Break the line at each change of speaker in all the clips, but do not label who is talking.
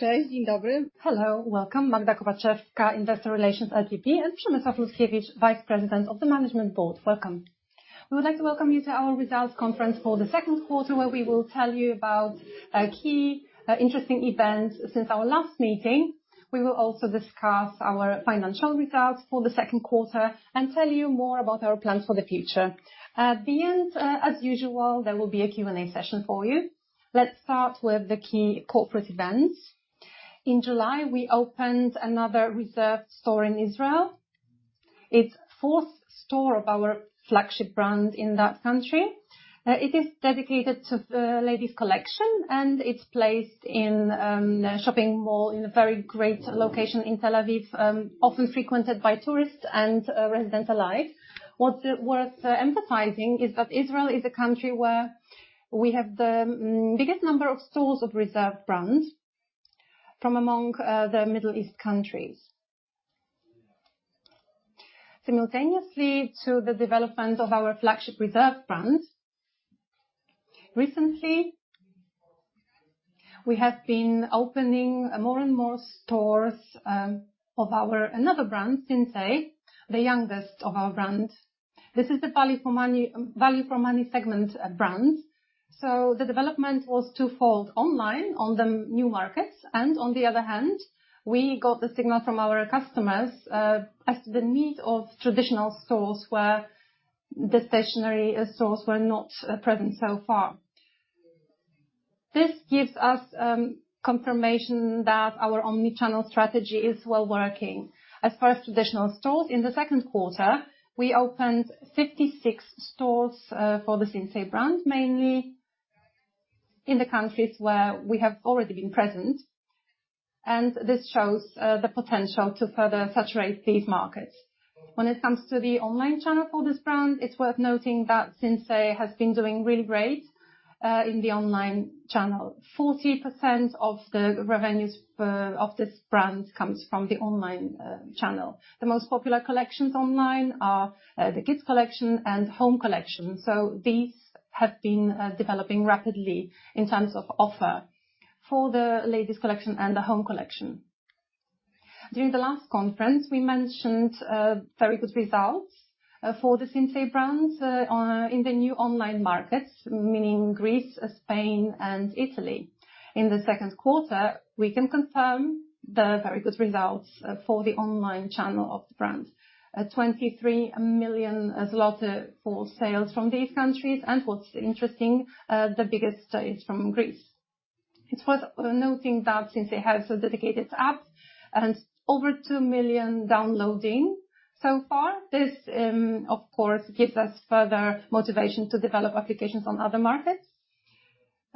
Cześć, dzień dobry. Hello, welcome. Magdalena Kopaczewska, Investor Relations, LPP, and Przemysław Lutkiewicz, Vice President of the Management Board. Welcome. We would like to welcome you to our results conference for the second quarter, where we will tell you about key, interesting events since our last meeting. We will also discuss our financial results for the second quarter and tell you more about our plans for the future. At the end, as usual, there will be a Q&A session for you. Let's start with the key corporate events. In July, we opened another Reserved store in Israel. It's fourth store of our flagship brand in that country. It is dedicated to the ladies collection, and it's placed in a shopping mall in a very great location in Tel Aviv, often frequented by tourists and residents alike. What's worth emphasizing is that Israel is a country where we have the biggest number of stores of Reserved brands from among the Middle East countries. Simultaneously to the development of our flagship Reserved brand, recently, we have been opening more and more stores of our another brand, Sinsay, the youngest of our brands. This is the value for money segment brand. The development was twofold, online on the new markets and on the other hand, we got the signal from our customers as the need of traditional stores where the stationary stores were not present so far. This gives us confirmation that our omni-channel strategy is well working. As far as traditional stores, in the second quarter, we opened 56 stores for the Sinsay brand, mainly in the countries where we have already been present, and this shows the potential to further saturate these markets. When it comes to the online channel for this brand, it's worth noting that Sinsay has been doing really great in the online channel. 40% of the revenues of this brand comes from the online channel. The most popular collections online are the kids collection and home collection. These have been developing rapidly in terms of offer for the ladies collection and the home collection. During the last conference, we mentioned very good results for the Sinsay brand in the new online markets, meaning Greece, Spain, and Italy. In the second quarter, we can confirm the very good results for the online channel of the brand. 23 million zloty for sales from these countries, and what's interesting, the biggest sale is from Greece. It's worth noting that Sinsay has a dedicated app and over 2 million downloads so far. This, of course, gives us further motivation to develop applications on other markets.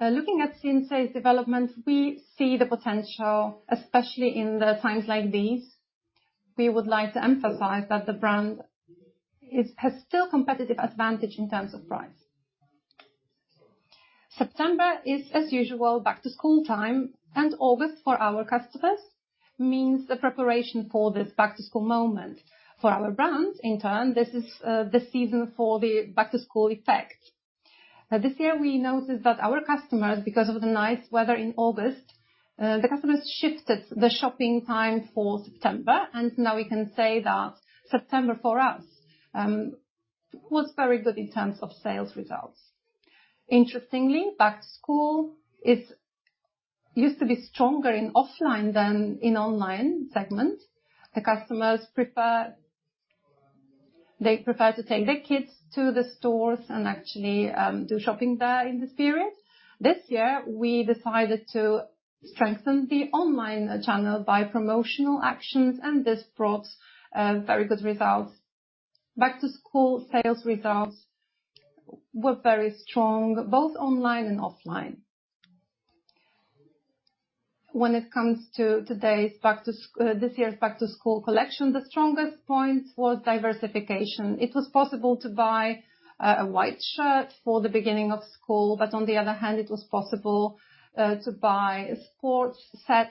Looking at Sinsay's developments, we see the potential, especially in the times like these. We would like to emphasize that the brand has still competitive advantage in terms of price. September is, as usual, back-to-school time, and August for our customers means the preparation for this back-to-school moment. For our brands, in turn, this is the season for the back-to-school effect. This year we noticed that our customers, because of the nice weather in August, shifted the shopping time for September. Now we can say that September, for us, was very good in terms of sales results. Interestingly, back-to-school used to be stronger in offline than in online segment. They prefer to take their kids to the stores and actually do shopping there in this period. This year, we decided to strengthen the online channel by promotional actions, and this brought very good results. Back-to-school sales results were very strong, both online and offline. When it comes to this year's back-to-school collection, the strongest point was diversification. It was possible to buy a white shirt for the beginning of school, but on the other hand, it was possible to buy sports sets,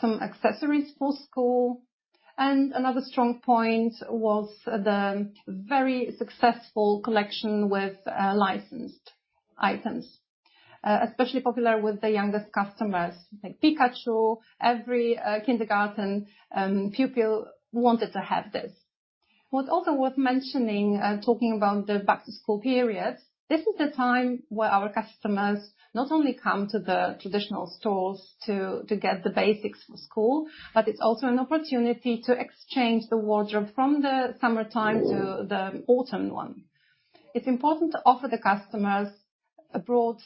some accessories for school. Another strong point was the very successful collection with licensed items, especially popular with the youngest customers like Pikachu. Every kindergarten pupil wanted to have this. What's also worth mentioning, talking about the back-to-school period, this is the time where our customers not only come to the traditional stores to get the basics for school, but it's also an opportunity to exchange the wardrobe from the summertime to the autumn one. It's important to offer the customers a broad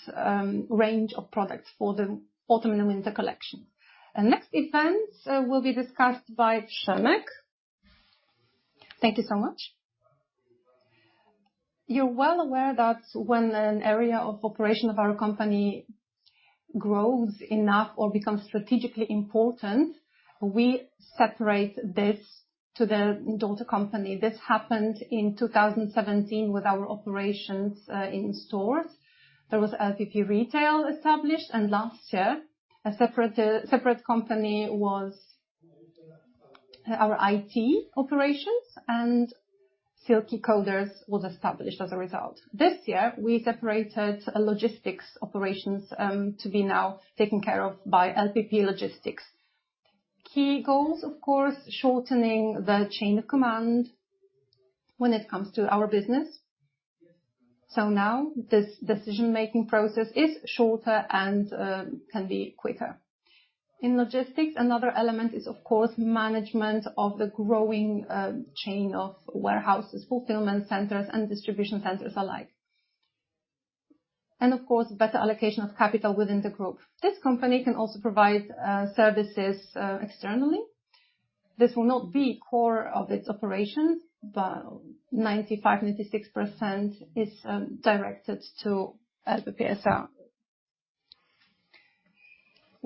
range of products for the autumn and winter collection. Next event will be discussed by Przemek.
Thank you so much. You're well aware that when an area of operation of our company grows enough or becomes strategically important, we separate this to the daughter company. This happened in 2017 with our operations in stores. There was LPP Retail established, and last year, a separate company was our IT operations and Silky Coders was established as a result. This year, we separated logistics operations to be now taken care of by LPP Logistics. Key goals, of course, shortening the chain of command when it comes to our business. Now this decision-making process is shorter and can be quicker. In logistics, another element is, of course, management of the growing chain of warehouses, fulfillment centers and distribution centers alike. Of course, better allocation of capital within the group. This company can also provide services externally. This will not be core of its operations, but 95%-96% is directed to LPP S.A.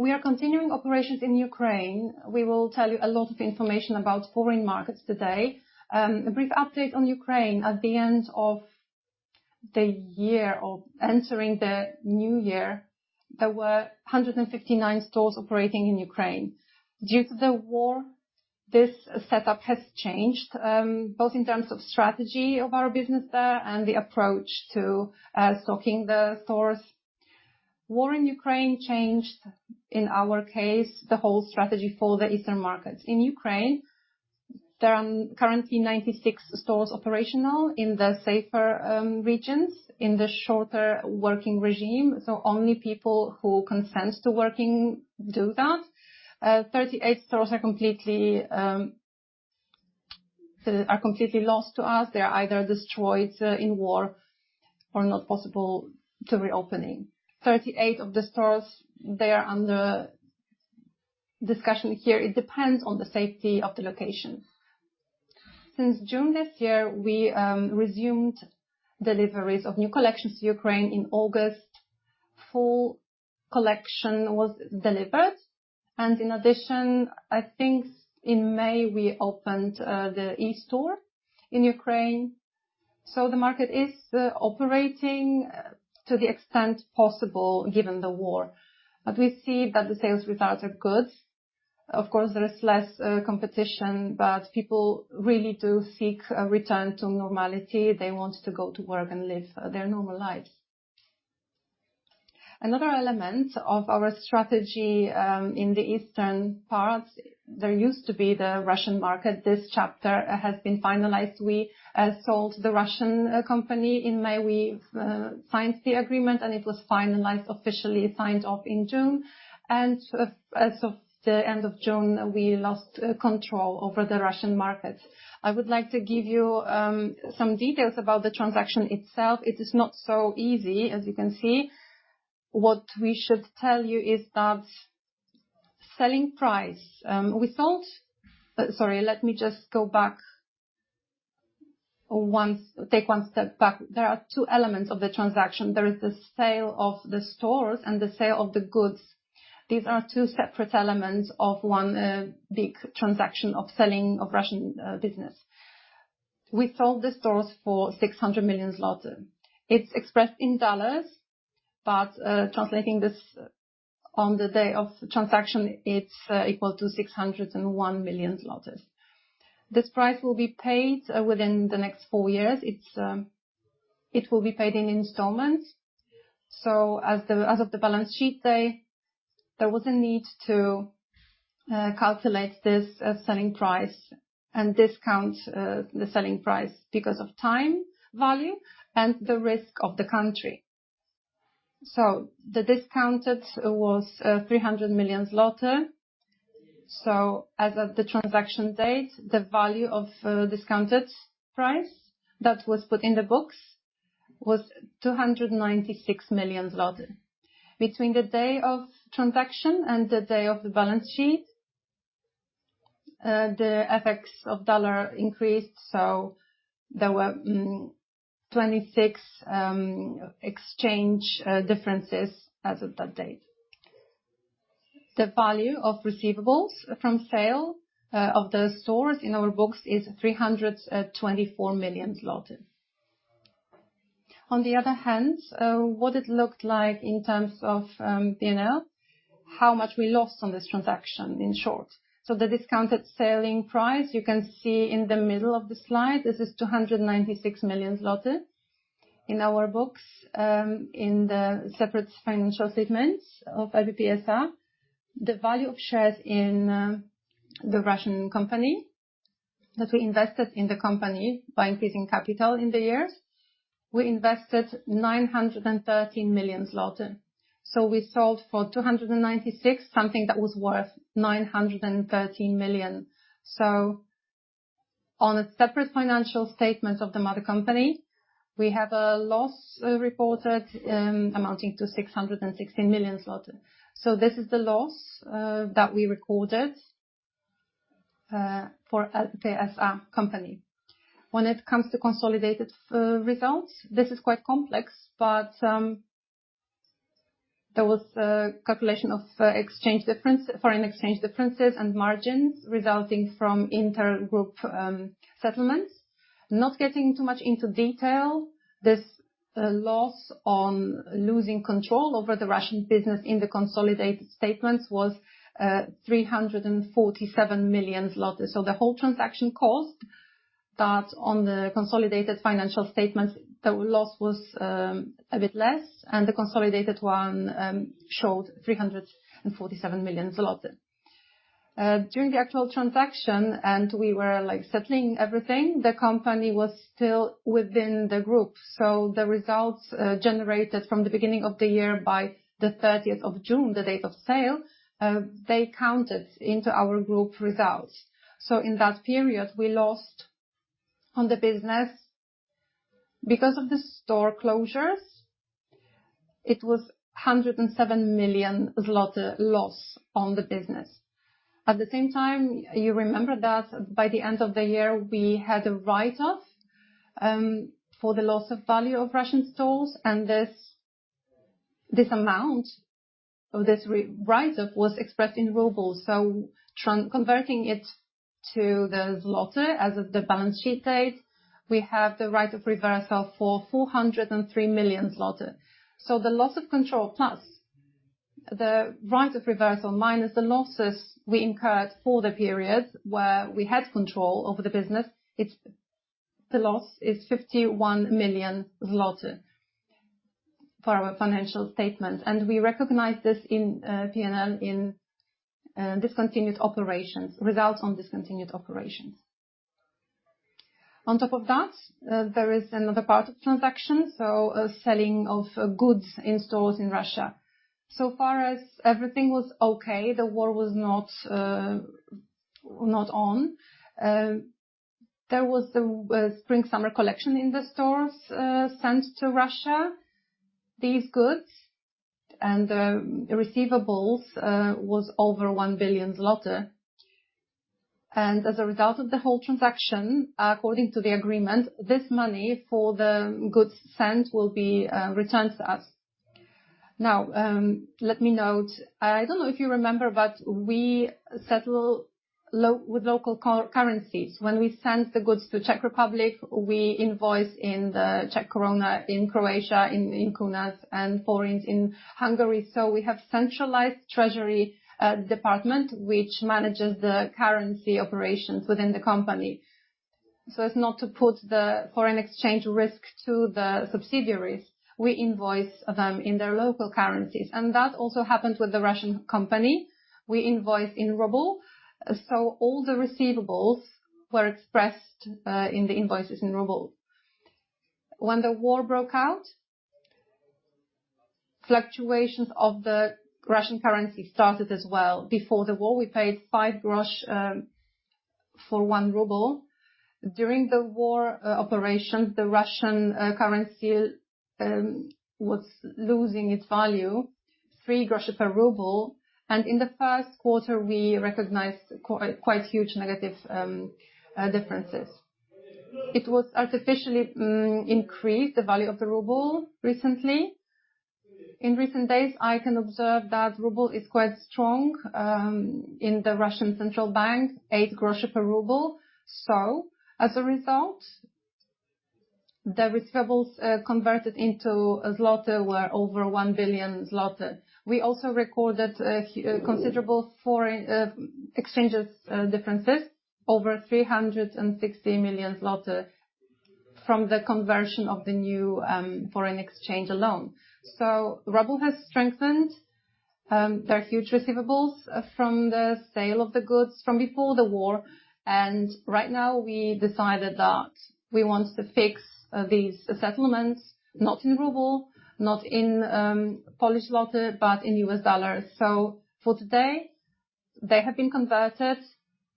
We are continuing operations in Ukraine. We will tell you a lot of information about foreign markets today. A brief update on Ukraine. At the end of the year of entering the new year, there were 159 stores operating in Ukraine. Due to the war, this setup has changed, both in terms of strategy of our business there and the approach to stocking the stores. War in Ukraine changed, in our case, the whole strategy for the eastern markets. In Ukraine, there are currently 96 stores operational in the safer regions in the shorter working regime, so only people who consent to working do that. 38 stores are completely lost to us. They are either destroyed in war or not possible to reopening. 38 of the stores, they are under discussion here. It depends on the safety of the location. Since June this year, we resumed deliveries of new collections to Ukraine. In August, full collection was delivered and in addition, I think in May, we opened the e-store in Ukraine. The market is operating to the extent possible given the war. We see that the sales with us are good. Of course, there is less competition, but people really do seek a return to normality. They want to go to work and live their normal lives. Another element of our strategy in the eastern parts, there used to be the Russian market. This chapter has been finalized. We sold the Russian company. In May, we signed the agreement and it was finalized, officially signed off in June. As of the end of June, we lost control over the Russian market. I would like to give you some details about the transaction itself. It is not so easy, as you can see. What we should tell you is that selling price. Sorry, let me take one step back. There are two elements of the transaction. There is the sale of the stores and the sale of the goods. These are two separate elements of one big transaction of selling of Russian business. We sold the stores for $600 million. It's expressed in dollars, but translating this on the day of transaction, it's equal to 601 million zlotys. This price will be paid within the next four years. It will be paid in installments. As of the balance sheet day, there was a need to calculate this selling price and discount the selling price because of time value and the risk of the country. The discounted was 300 million zloty. As of the transaction date, the value of discounted price that was put in the books was 296 million zloty. Between the day of transaction and the day of the balance sheet, the FX of dollar increased, so there were 26 exchange differences as of that date. The value of receivables from sale of the stores in our books is 324 million zloty. On the other hand, what it looked like in terms of P&L, how much we lost on this transaction, in short. The discounted selling price, you can see in the middle of the slide, this is 296 million zloty. In our books, in the separate financial statements of LPP S.A., the value of shares in the Russian company that we invested in the company by increasing capital in the years, we invested 913 million zloty. We sold for 296 something that was worth 913 million. On a separate financial statement of the mother company, we have a loss reported amounting to 660 million zlotys. This is the loss that we recorded for LPP S.A. company. When it comes to consolidated results, this is quite complex, but there was a calculation of foreign exchange differences and margins resulting from intergroup settlements. Not getting too much into detail, this loss on losing control over the Russian business in the consolidated statements was 347 million zloty. The whole transaction cost that on the consolidated financial statement, the loss was a bit less, and the consolidated one showed 347 million zloty. During the actual transaction, and we were like settling everything, the company was still within the group. The results generated from the beginning of the year by the 30th of June, the date of sale, they counted into our group results. In that period, we lost on the business. Because of the store closures, it was 107 million zloty loss on the business. At the same time, you remember that by the end of the year, we had a write-off for the loss of value of Russian stores. This amount of this write-off was expressed in rubles. Converting it to the złoty as of the balance sheet date, we have the write-off reversal for 403 million. The loss of control plus the write-off reversal minus the losses we incurred for the period where we had control over the business, the loss is 51 million zloty for our financial statement. We recognize this in P&L in discontinued operations, results on discontinued operations. On top of that, there is another part of transaction, so a selling of goods in stores in Russia. So far as everything was okay, the war was not on. There was the spring/summer collection in the stores, sent to Russia. These goods and the receivables was over 1 billion zloty. As a result of the whole transaction, according to the agreement, this money for the goods sent will be returned to us. Now, let me note. I don't know if you remember, but we settle with local currencies. When we send the goods to Czech Republic, we invoice in the Czech koruna, in Croatia, in kunas, and forints in Hungary. We have centralized treasury department, which manages the currency operations within the company. As not to put the foreign exchange risk to the subsidiaries, we invoice them in their local currencies. That also happens with the Russian company. We invoice in ruble. All the receivables were expressed in the invoices in ruble. When the war broke out, fluctuations of the Russian currency started as well. Before the war, we paid 0.05 for one ruble. During the war, the Russian currency was losing its value, 0.03 per ruble. In the first quarter, we recognized quite huge negative differences. It was artificially increased, the value of the ruble recently. In recent days, I can observe that ruble is quite strong in the Russian central bank, 0.08 per ruble. As a result, the receivables converted into złoty were over 1 billion zloty. We also recorded a considerable foreign exchange differences, over 360 million zloty from the conversion of the new foreign exchange alone. Ruble has strengthened their huge receivables from the sale of the goods from before the war. Right now, we decided that we want to fix these settlements not in ruble, not in Polish złoty, but in U.S. dollars. For today, they have been converted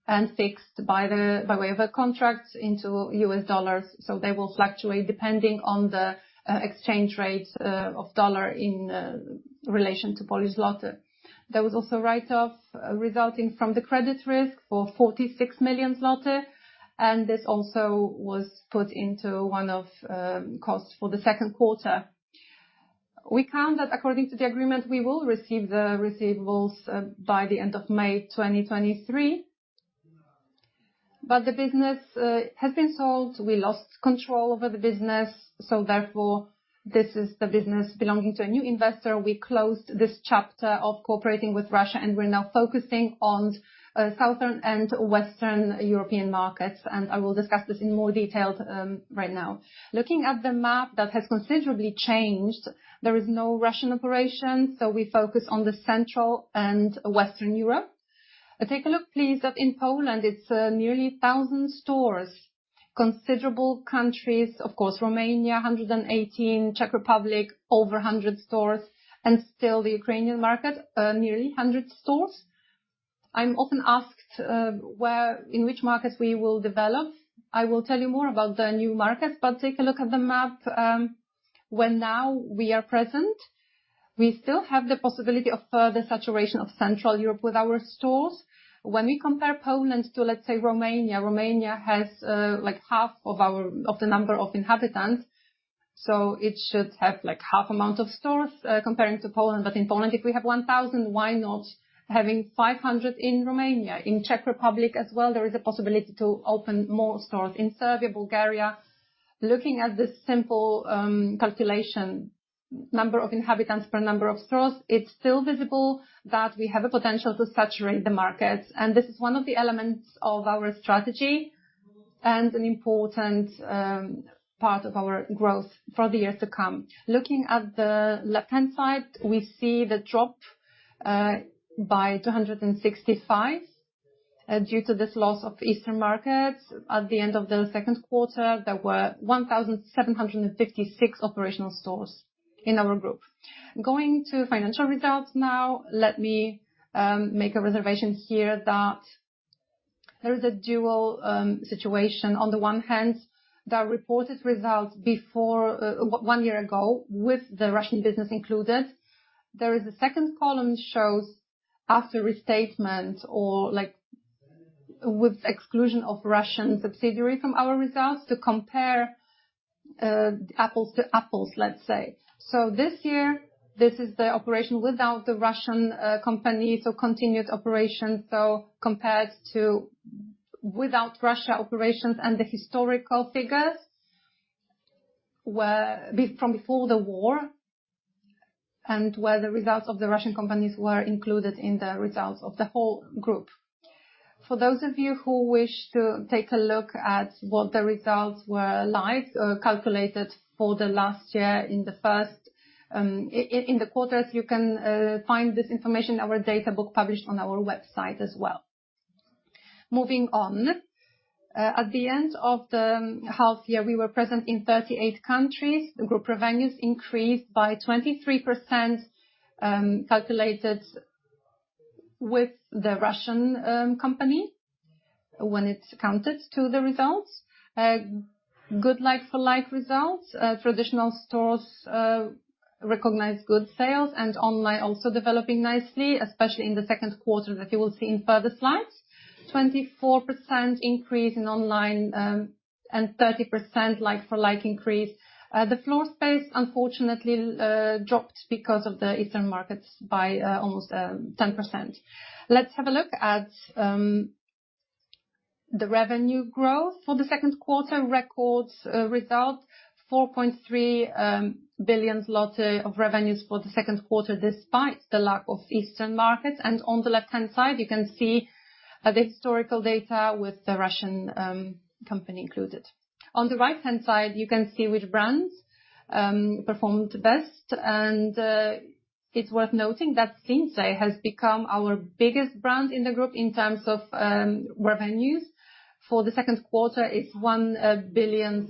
and fixed by way of a contract into U.S. dollars. They will fluctuate depending on the exchange rate of dollar in relation to Polish złoty. There was also write-off resulting from the credit risk for 46 million zloty, and this also was put into one of costs for the second quarter. We count that according to the agreement, we will receive the receivables by the end of May 2023. The business has been sold. We lost control over the business. Therefore, this is the business belonging to a new investor. We closed this chapter of cooperating with Russia, and we're now focusing on Southern and Western European markets. I will discuss this in more detail right now. Looking at the map, that has considerably changed. There is no Russian operation, so we focus on the Central and Western Europe. Take a look, please, that in Poland, it's nearly 1,000 stores. Considerable countries, of course, Romania, 118, Czech Republic, over 100 stores, and still the Ukrainian market, nearly 100 stores. I'm often asked in which markets we will develop. I will tell you more about the new markets, but take a look at the map where now we are present. We still have the possibility of further saturation of Central Europe with our stores. When we compare Poland to, let's say, Romania has like half of the number of inhabitants. So it should have like half amount of stores, comparing to Poland. In Poland, if we have 1,000, why not having 500 in Romania? In Czech Republic as well, there is a possibility to open more stores. In Serbia, Bulgaria, looking at this simple calculation, number of inhabitants per number of stores, it's still visible that we have a potential to saturate the markets. This is one of the elements of our strategy and an important part of our growth for the years to come. Looking at the left-hand side, we see the drop by 265 due to this loss of Eastern markets. At the end of the second quarter, there were 1,756 operational stores in our group. Going to financial results now. Let me make a reservation here that there is a dual situation. On the one hand, the reported results before one year ago with the Russian business included. There is a second column shows after restatement or like with exclusion of Russian subsidiary from our results to compare apples to apples, let's say. This year, this is the operation without the Russian company, so continued operation. Compared to without Russia operations and the historical figures were from before the war and where the results of the Russian companies were included in the results of the whole group. For those of you who wish to take a look at what the results were like, calculated for the last year in the first in the quarters, you can find this information in our data book published on our website as well. Moving on. At the end of the half year, we were present in 38 countries. The group revenues increased by 23%, calculated with the Russian company when it's counted to the results. Good like-for-like results. Traditional stores recognized good sales and online also developing nicely, especially in the second quarter that you will see in further slides. 24% increase in online, and 30% like-for-like increase. The floor space, unfortunately, dropped because of the Eastern markets by almost 10%. Let's have a look at the revenue growth. For the second quarter, record result 4.3 billion of revenues for the second quarter, despite the lack of Eastern markets. On the left-hand side, you can see the historical data with the Russian company included. On the right-hand side, you can see which brands performed best. It's worth noting that Sinsay has become our biggest brand in the group in terms of revenues. For the second quarter, it's 1.6 billion.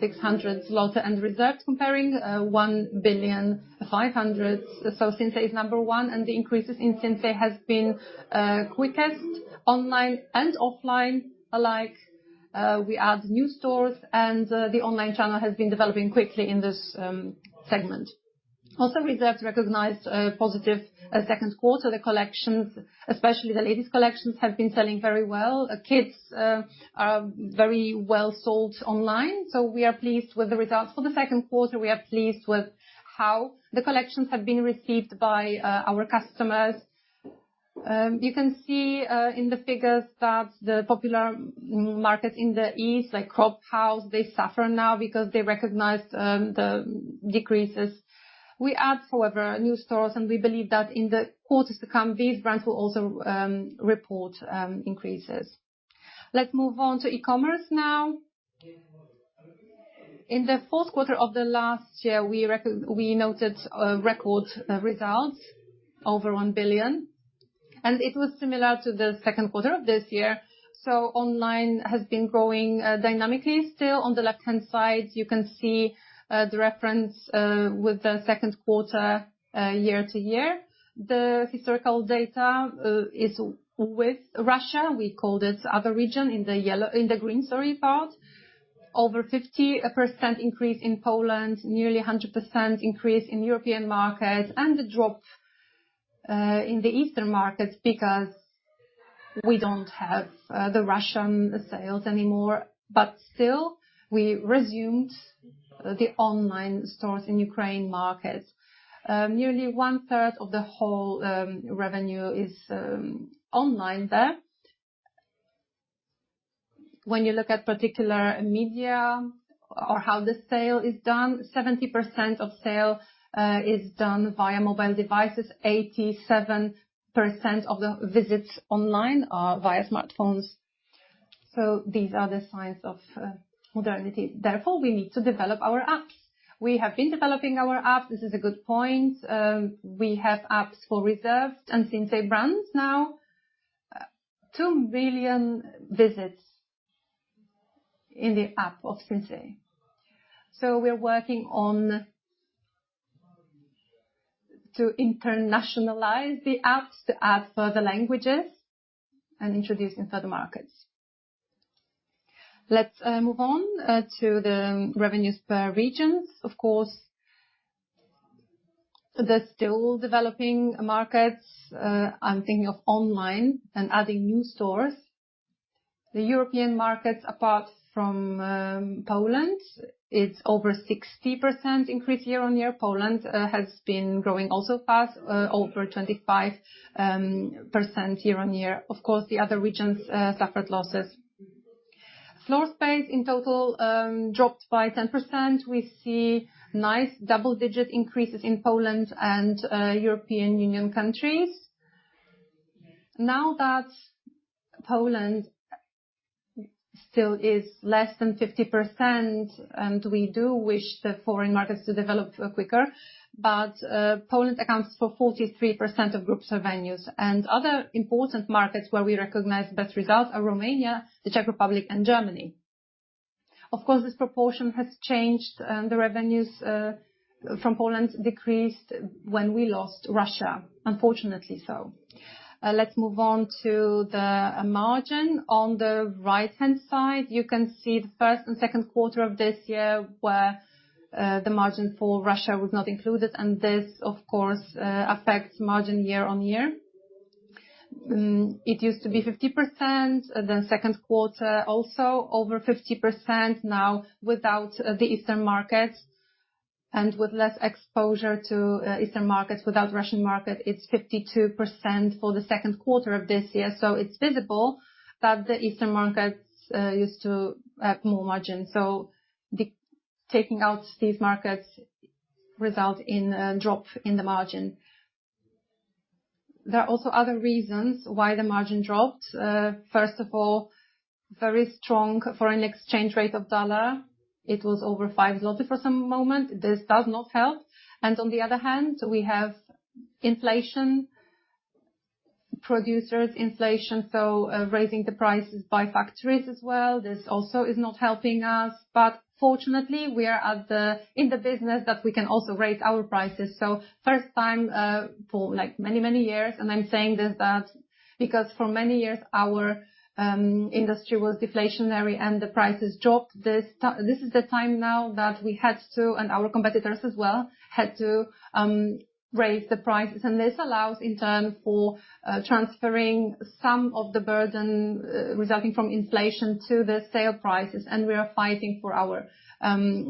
Reserved comparing 1.5 billion. Sinsay is number one, and the increases in Sinsay has been quickest online and offline alike. We add new stores, and the online channel has been developing quickly in this segment. Also, Reserved recognized a positive second quarter. The collections, especially the ladies collections, have been selling very well. Kids are very well sold online. We are pleased with the results. For the second quarter, we are pleased with how the collections have been received by our customers. You can see in the figures that the popular markets in the east, like Cropp, House, they suffer now because they recognize the decreases. We add, however, new stores, and we believe that in the quarters to come, these brands will also report increases. Let's move on to e-commerce now. In the fourth quarter of the last year, we noted a record result over 1 billion, and it was similar to the second quarter of this year. Online has been growing dynamically. Still, on the left-hand side, you can see the reference with the second quarter year-to-year. The historical data is with Russia. We call this other region in the green, sorry, part. Over 50% increase in Poland, nearly 100% increase in European markets, and a drop in the Eastern markets because we don't have the Russian sales anymore. We resumed the online stores in Ukraine market. Nearly 1/3 of the whole revenue is online there. When you look at particular media or how the sale is done, 70% of sale is done via mobile devices. 87% of the visits online are via smartphones. These are the signs of modernity. Therefore, we need to develop our apps. We have been developing our apps. This is a good point. We have apps for Reserved and Sinsay brands now. Two billion visits in the app of Sinsay. We're working on to internationalize the apps, to add further languages and introduce in further markets. Let's move on to the revenues per regions. Of course, the still developing markets, I'm thinking of online and adding new stores. The European markets, apart from Poland, it's over 60% increase year-on-year. Poland has been growing also fast, over 25% year-on-year. Of course, the other regions suffered losses. Floor space in total dropped by 10%. We see nice double-digit increases in Poland and European Union countries. Now that Poland still is less than 50%, and we do wish the foreign markets to develop quicker, but Poland accounts for 43% of group's revenues. Other important markets where we recognize the best results are Romania, the Czech Republic and Germany. Of course, this proportion has changed. The revenues from Poland decreased when we lost Russia, unfortunately so. Let's move on to the margin. On the right-hand side, you can see the first and second quarter of this year where the margin for Russia was not included, and this, of course, affects margin year-on-year. It used to be 50%. The second quarter also over 50% now without the Eastern markets. With less exposure to Eastern markets, without Russian market, it's 52% for the second quarter of this year. It's visible that the Eastern markets used to add more margin. Taking out these markets result in a drop in the margin. There are also other reasons why the margin dropped. First of all, very strong foreign exchange rate of dollar. It was over 5 zloty for some moment. This does not help. On the other hand, we have inflation, producers inflation, raising the prices by factories as well. This also is not helping us, but fortunately, we are in the business that we can also raise our prices. First time for, like, many years, and I'm saying this because for many years our industry was deflationary and the prices dropped. This is the time now that we had to, and our competitors as well, had to raise the prices. This allows in turn for transferring some of the burden resulting from inflation to the sale prices. We are fighting for our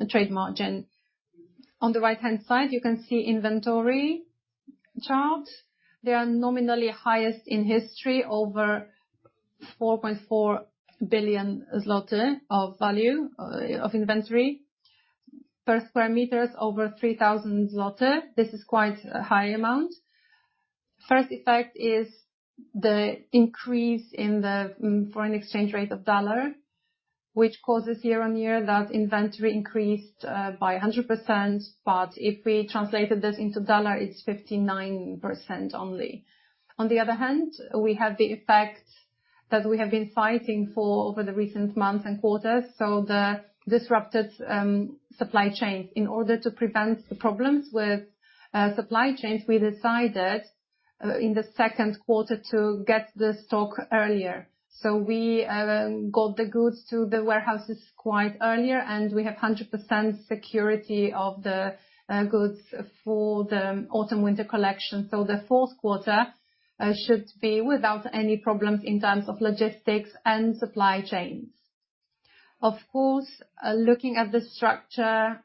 trade margin. On the right-hand side, you can see inventory chart. They are nominally highest in history, over 4.4 billion zloty of value of inventory. Per square meter, over 3,000 zloty. This is quite a high amount. First effect is the increase in the foreign exchange rate of dollar, which causes year-on-year that inventory increased by 100%. If we translated this into dollar, it's 59% only. On the other hand, we have the effect that we have been fighting for over the recent months and quarters, the disrupted supply chains. In order to prevent the problems with supply chains, we decided in the second quarter to get the stock earlier. We got the goods to the warehouses quite earlier, and we have 100% security of the goods for the autumn/winter collection. The fourth quarter should be without any problems in terms of logistics and supply chains. Of course, looking at the structure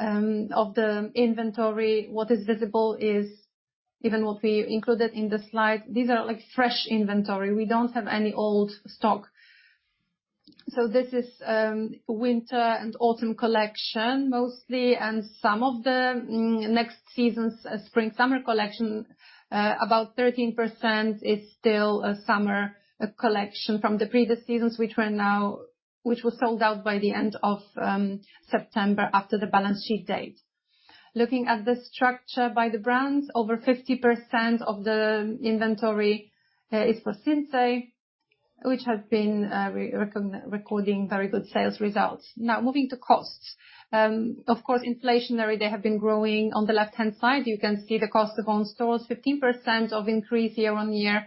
of the inventory, what is visible is even what we included in the slide. These are like fresh inventory. We don't have any old stock. This is winter and autumn collection mostly and some of the next season's spring/summer collection. About 13% is still a summer collection from the previous seasons, which was sold out by the end of September after the balance sheet date. Looking at the structure by the brands, over 50% of the inventory is for Sinsay, which has been recording very good sales results. Now, moving to costs. Of course, inflationary, they have been growing. On the left-hand side, you can see the cost of own stores, 15% increase year-on-year.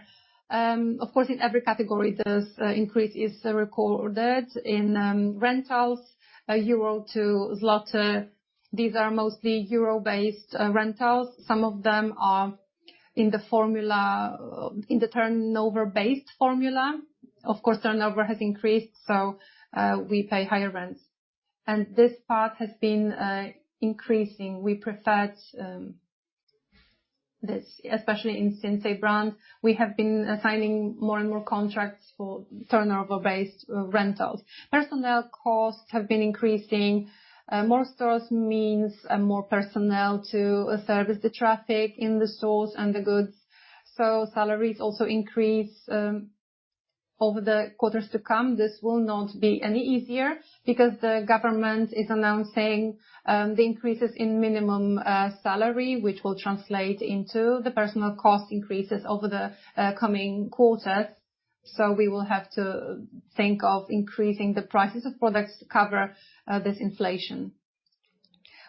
Of course, in every category there's increase recorded. In rentals, euro to złoty. These are mostly euro-based rentals. Some of them are in the turnover-based formula. Of course, turnover has increased, so we pay higher rents. This part has been increasing. We preferred this, especially in Sinsay brand. We have been signing more and more contracts for turnover-based rentals. Personnel costs have been increasing. More stores means more personnel to service the traffic in the stores and the goods. Salaries also increase over the quarters to come. This will not be any easier because the government is announcing the increases in minimum salary, which will translate into the personnel cost increases over the coming quarters. We will have to think of increasing the prices of products to cover this inflation.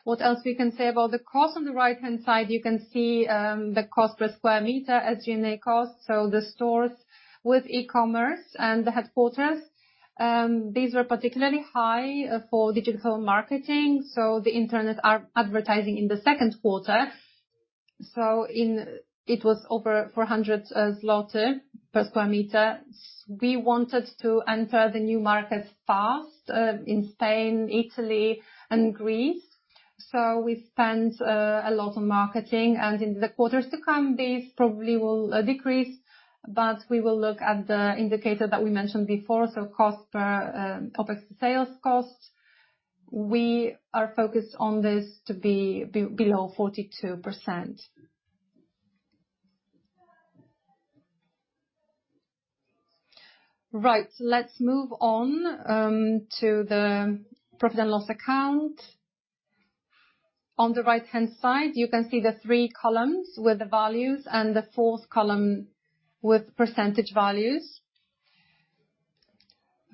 What else we can say about the cost? On the right-hand side, you can see the cost per square meter as general cost. The stores with e-commerce and the headquarters, these were particularly high for digital marketing, the internet advertising in the second quarter. It was over 400 zloty per square meter. We wanted to enter the new markets fast in Spain, Italy, and Greece. We spent a lot on marketing. In the quarters to come, these probably will decrease. We will look at the indicator that we mentioned before, cost per COGS sales cost. We are focused on this to be below 42%. Right. Let's move on to the profit and loss account. On the right-hand side, you can see the three columns with the values, and the fourth column with percentage values.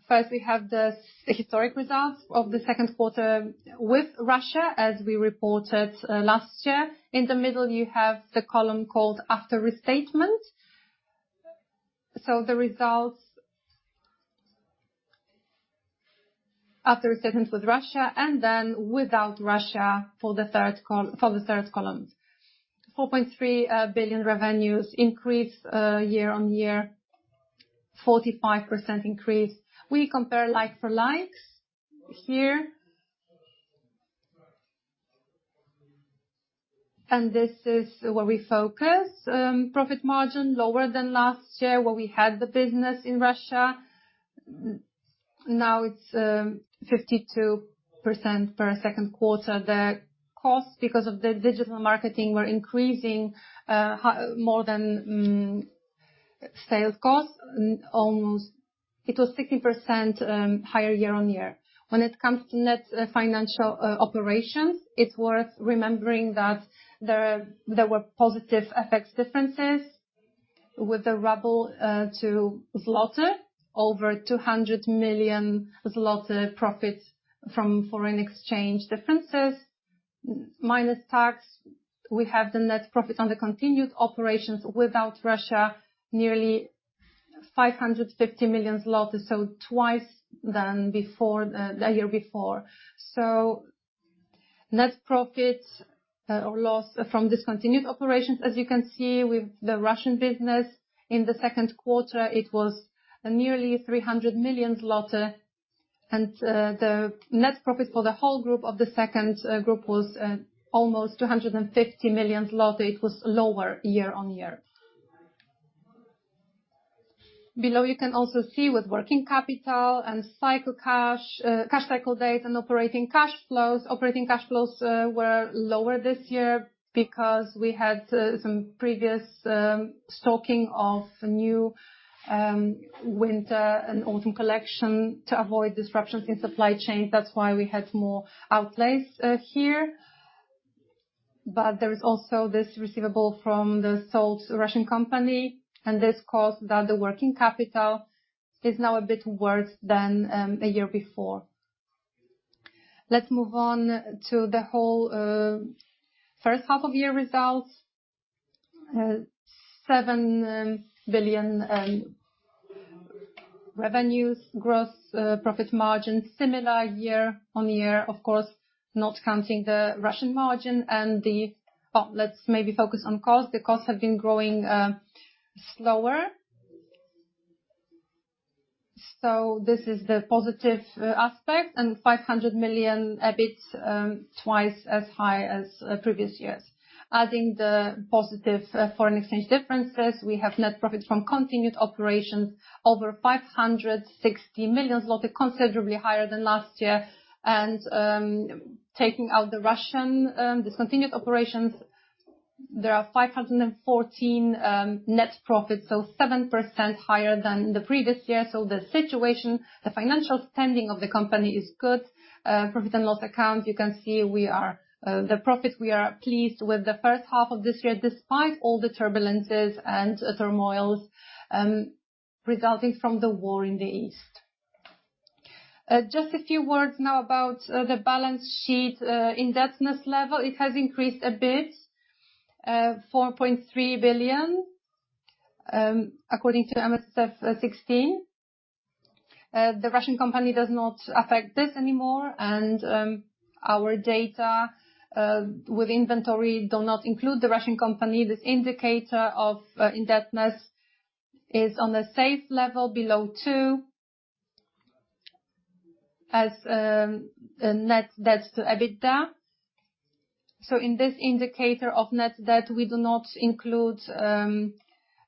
First, we have the historic results of the second quarter with Russia, as we reported last year. In the middle, you have the column called after restatement. The results after restatements with Russia, and then without Russia for the third column. 4.3 billion revenues increase year-on-year. 45% increase. We compare like-for-like here. This is where we focus, profit margin lower than last year, where we had the business in Russia. Now it's 52% for our second quarter. The costs, because of the digital marketing, were increasing more than sales cost, and almost it was 15% higher year-on-year. When it comes to net financial operations, it's worth remembering that there were positive FX differences with the ruble to złoty, over 200 million zloty profits from foreign exchange differences. Net minus tax, we have the net profit on the continued operations without Russia, nearly 550 million zloty. Twice than before the year before. Net profits or loss from discontinued operations, as you can see with the Russian business in the second quarter, it was nearly 300 million zloty. The net profit for the whole group of the second quarter was almost 250 million zloty. It was lower year-on-year. Below, you can also see with working capital and cash cycle days, and operating cash flows. Operating cash flows were lower this year because we had some previous stocking of new winter and autumn collection to avoid disruptions in supply chains. That's why we had more outlays here. There is also this receivable from the sold Russian company, and this caused that the working capital is now a bit worse than a year before. Let's move on to the whole first half of year results. 7 billion revenues. Gross profit margin, similar year-on-year, of course, not counting the Russian margin. Let's maybe focus on costs. The costs have been growing slower. This is the positive aspect. 500 million EBIT, twice as high as previous years. Adding the positive foreign exchange differences, we have net profits from continued operations over 560 million zloty. Considerably higher than last year. Taking out the Russian discontinued operations, there are 514 million net profits. 7% higher than the previous year. The situation, the financial standing of the company is good. Profit and loss accounts, you can see we are, the profits, we are pleased with the first half of this year, despite all the turbulences and turmoils resulting from the war in the east. Just a few words now about the balance sheet. Indebtedness level, it has increased a bit, 4.3 billion, according to IFRS 16. The Russian company does not affect this anymore, and our data with inventory do not include the Russian company. This indicator of indebtedness is on a safe level below two as net debt-to-EBITDA. In this indicator of net debt, we do not include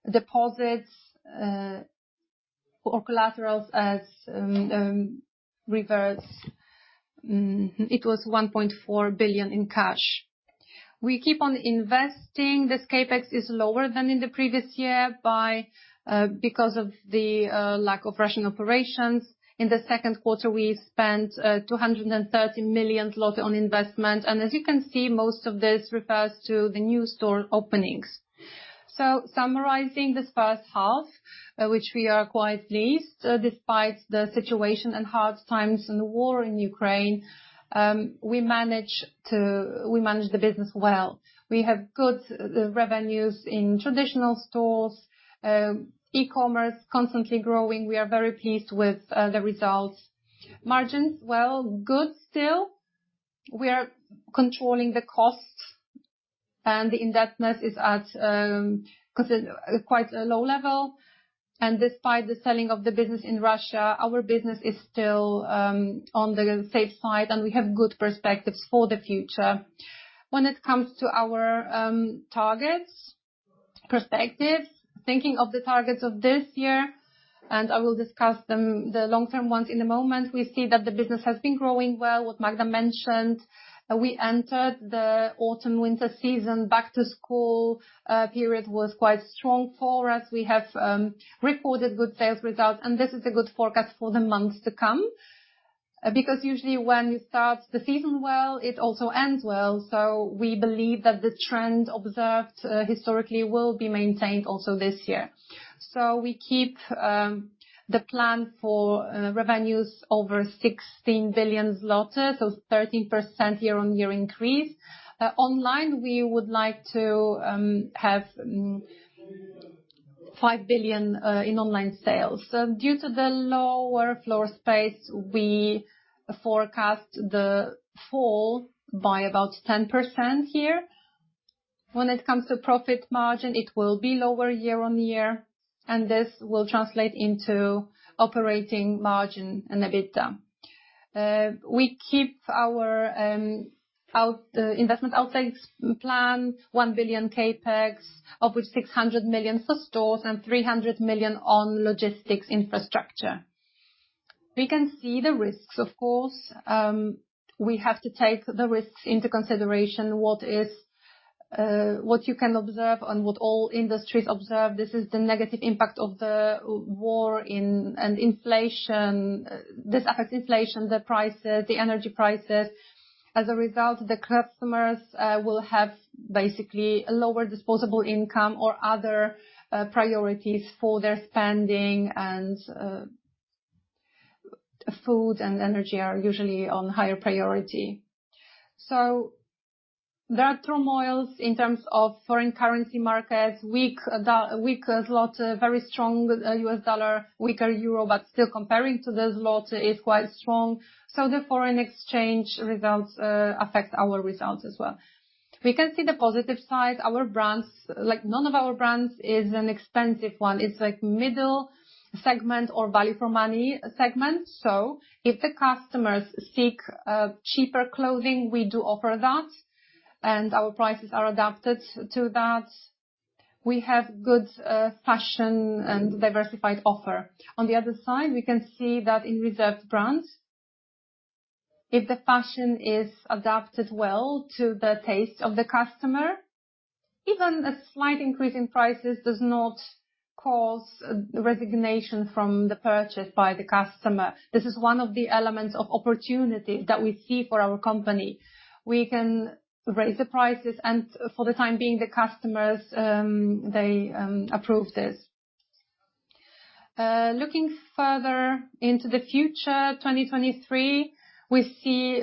deposits or collaterals as reverse. It was 1.4 billion in cash. We keep on investing. This CapEx is lower than in the previous year because of the lack of Russian operations. In the second quarter, we spent 230 million on investment. As you can see, most of this refers to the new store openings. Summarizing this first half, which we are quite pleased, despite the situation and hard times and the war in Ukraine, we managed the business well. We have good revenues in traditional stores. E-commerce constantly growing. We are very pleased with the results. Margins, well, good still. We're controlling the costs and the indebtedness is at quite a low level. Despite the selling of the business in Russia, our business is still on the safe side and we have good perspectives for the future. When it comes to our targets, perspectives, thinking of the targets of this year, and I will discuss them, the long-term ones in a moment. We see that the business has been growing well, what Magda mentioned. We entered the autumn/winter season. Back to school period was quite strong for us. We have recorded good sales results, and this is a good forecast for the months to come. Because usually when you start the season well, it also ends well. We believe that the trend observed historically will be maintained also this year. We keep the plan for revenues over 16 billion zloty, so 13% year-on-year increase. Online, we would like to have 5 billion in online sales. Due to the lower floor space, we forecast the fall by about 10% here. When it comes to profit margin, it will be lower year on year, and this will translate into operating margin and EBITDA. We keep our investment outlays plan 1 billion CapEx, of which 600 million for stores and 300 million on logistics infrastructure. We can see the risks, of course. We have to take the risks into consideration. What you can observe and what all industries observe, this is the negative impact of the war and inflation. This affects inflation, the prices, the energy prices. As a result, the customers will have basically a lower disposable income or other priorities for their spending, and food and energy are usually on higher priority. There are turmoils in terms of foreign currency markets. Weak złoty, very strong U.S. dollar, weaker euro, but still comparing to the złoty, it's quite strong. The foreign exchange results affect our results as well. We can see the positive side. Our brands. Like, none of our brands is an expensive one. It's like middle segment or value for money segment. If the customers seek cheaper clothing, we do offer that, and our prices are adapted to that. We have good fashion and diversified offer. On the other side, we can see that in Reserved brands, if the fashion is adapted well to the taste of the customer, even a slight increase in prices does not cause resignation from the purchase by the customer. This is one of the elements of opportunity that we see for our company. We can raise the prices and for the time being, the customers approve this. Looking further into the future, 2023, we see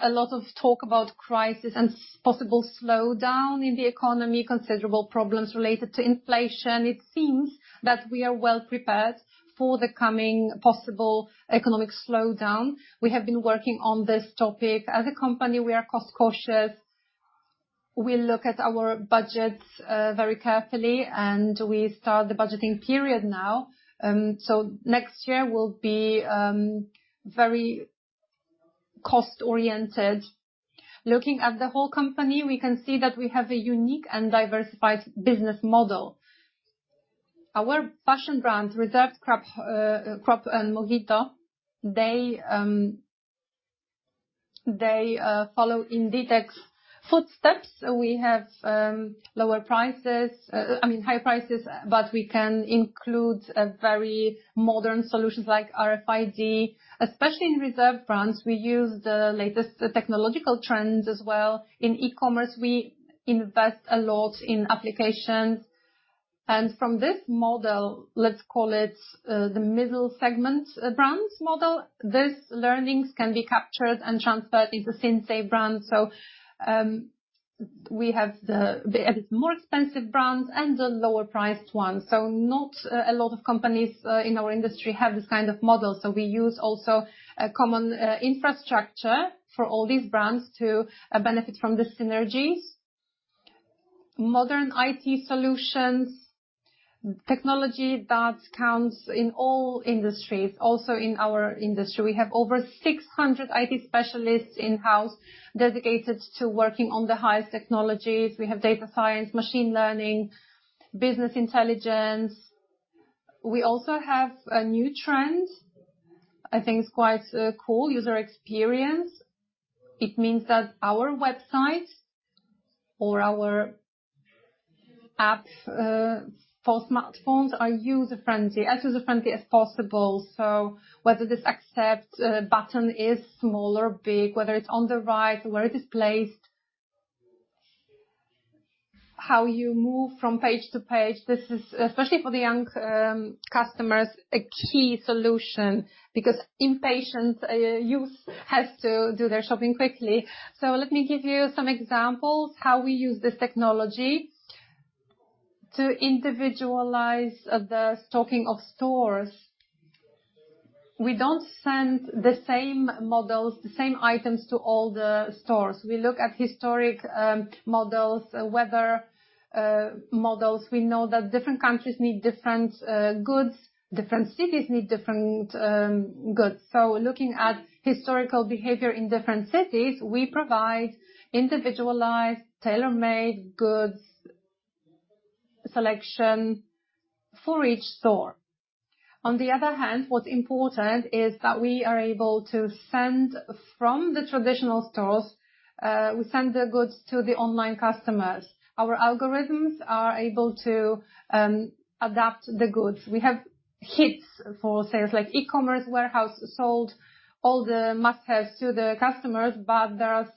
a lot of talk about crisis and possible slowdown in the economy, considerable problems related to inflation. It seems that we are well prepared for the coming possible economic slowdown. We have been working on this topic. As a company, we are cost-cautious. We look at our budgets very carefully, and we start the budgeting period now. Next year will be very cost-oriented. Looking at the whole company, we can see that we have a unique and diversified business model. Our fashion brands, Reserved, Cropp, and MOHITO, they follow Inditex footsteps. We have lower prices, I mean, high prices, but we can include very modern solutions like RFID. Especially in Reserved brands, we use the latest technological trends as well. In e-commerce, we invest a lot in applications. From this model, let's call it the middle segment brands model, these learnings can be captured and transferred into Sinsay brand. We have the more expensive brands and the lower-priced ones. Not a lot of companies in our industry have this kind of model. We use also a common infrastructure for all these brands to benefit from the synergies. Modern IT solutions, technology that counts in all industries, also in our industry. We have over 600 IT specialists in-house dedicated to working on the highest technologies. We have data science, machine learning, business intelligence. We also have a new trend, I think it's quite cool, user experience. It means that our website or our app for smartphones are user-friendly, as user-friendly as possible. Whether this accept button is small or big, whether it's on the right, where it is placed, how you move from page to page, this is, especially for the young customers, a key solution because impatient youth have to do their shopping quickly. Let me give you some examples how we use this technology to individualize the stocking of stores, we don't send the same models, the same items to all the stores. We look at historical models, weather models. We know that different countries need different goods, different cities need different goods. Looking at historical behavior in different cities, we provide individualized tailor-made goods selection for each store. On the other hand, what's important is that we are able to send from the traditional stores, we send the goods to the online customers. Our algorithms are able to adapt the goods. We have hits for sales, like e-commerce warehouse sold all the must-haves to the customers, but there are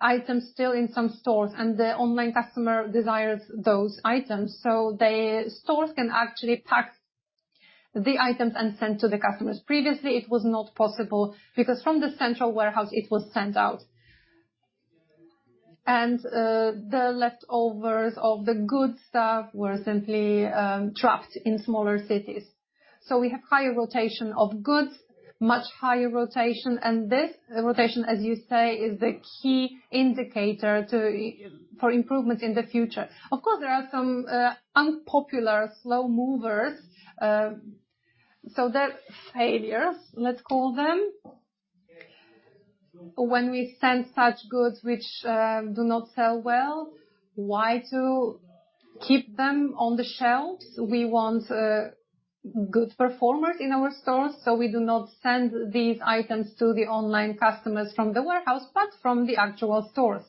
some items still in some stores, and the online customer desires those items. The stores can actually pack the items and send to the customers. Previously, it was not possible because from the central warehouse, it was sent out. The leftovers of the good stuff were simply trapped in smaller cities. We have higher rotation of goods, much higher rotation. This, the rotation, as you say, is the key indicator to for improvements in the future. Of course, there are some unpopular slow movers, so they're failures, let's call them. When we send such goods which do not sell well, why to keep them on the shelves? We want good performers in our stores, so we do not send these items to the online customers from the warehouse, but from the actual stores.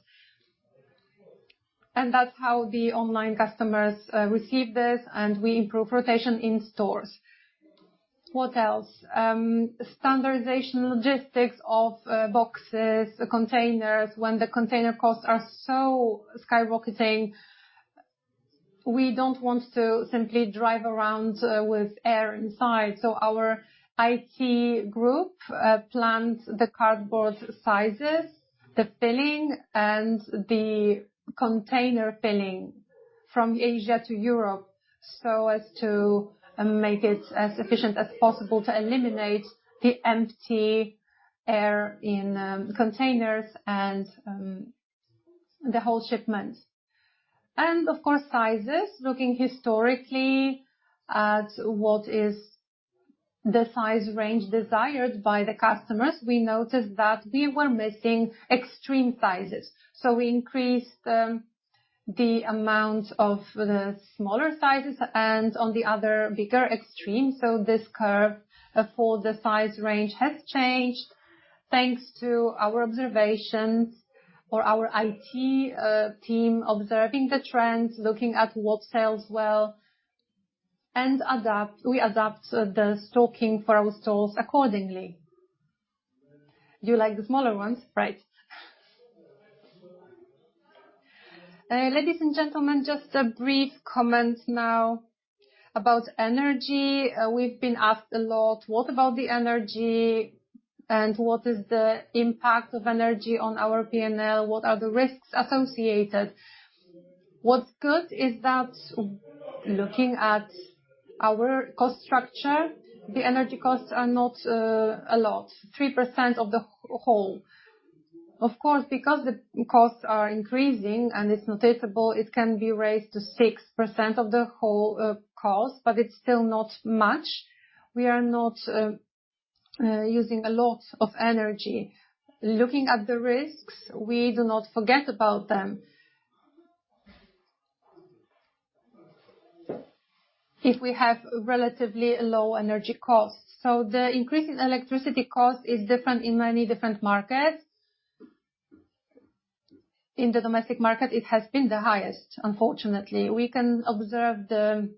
That's how the online customers receive this, and we improve rotation in stores. What else? Standardization, logistics of boxes, containers. When the container costs are so skyrocketing, we don't want to simply drive around with air inside. Our IT group plans the cardboard sizes, the filling, and the container filling from Asia to Europe, so as to make it as efficient as possible to eliminate the empty air in containers and the whole shipment. Of course, sizes. Looking historically at what is the size range desired by the customers, we noticed that we were missing extreme sizes. We increased the amount of the smaller sizes and on the other, bigger extreme. This curve for the size range has changed. Thanks to our observations or our IT team observing the trends, looking at what sells well, and we adapt the stocking for our stores accordingly. You like the smaller ones, right? Ladies and gentlemen, just a brief comment now about energy. We've been asked a lot, what about the energy and what is the impact of energy on our P&L? What are the risks associated? What's good is that looking at our cost structure, the energy costs are not a lot, 3% of the whole. Of course, because the costs are increasing and it's noticeable, it can be raised to 6% of the whole cost, but it's still not much. We are not using a lot of energy. Looking at the risks, we do not forget about them. If we have relatively low energy costs. The increase in electricity cost is different in many different markets. In the domestic market, it has been the highest, unfortunately. We can observe the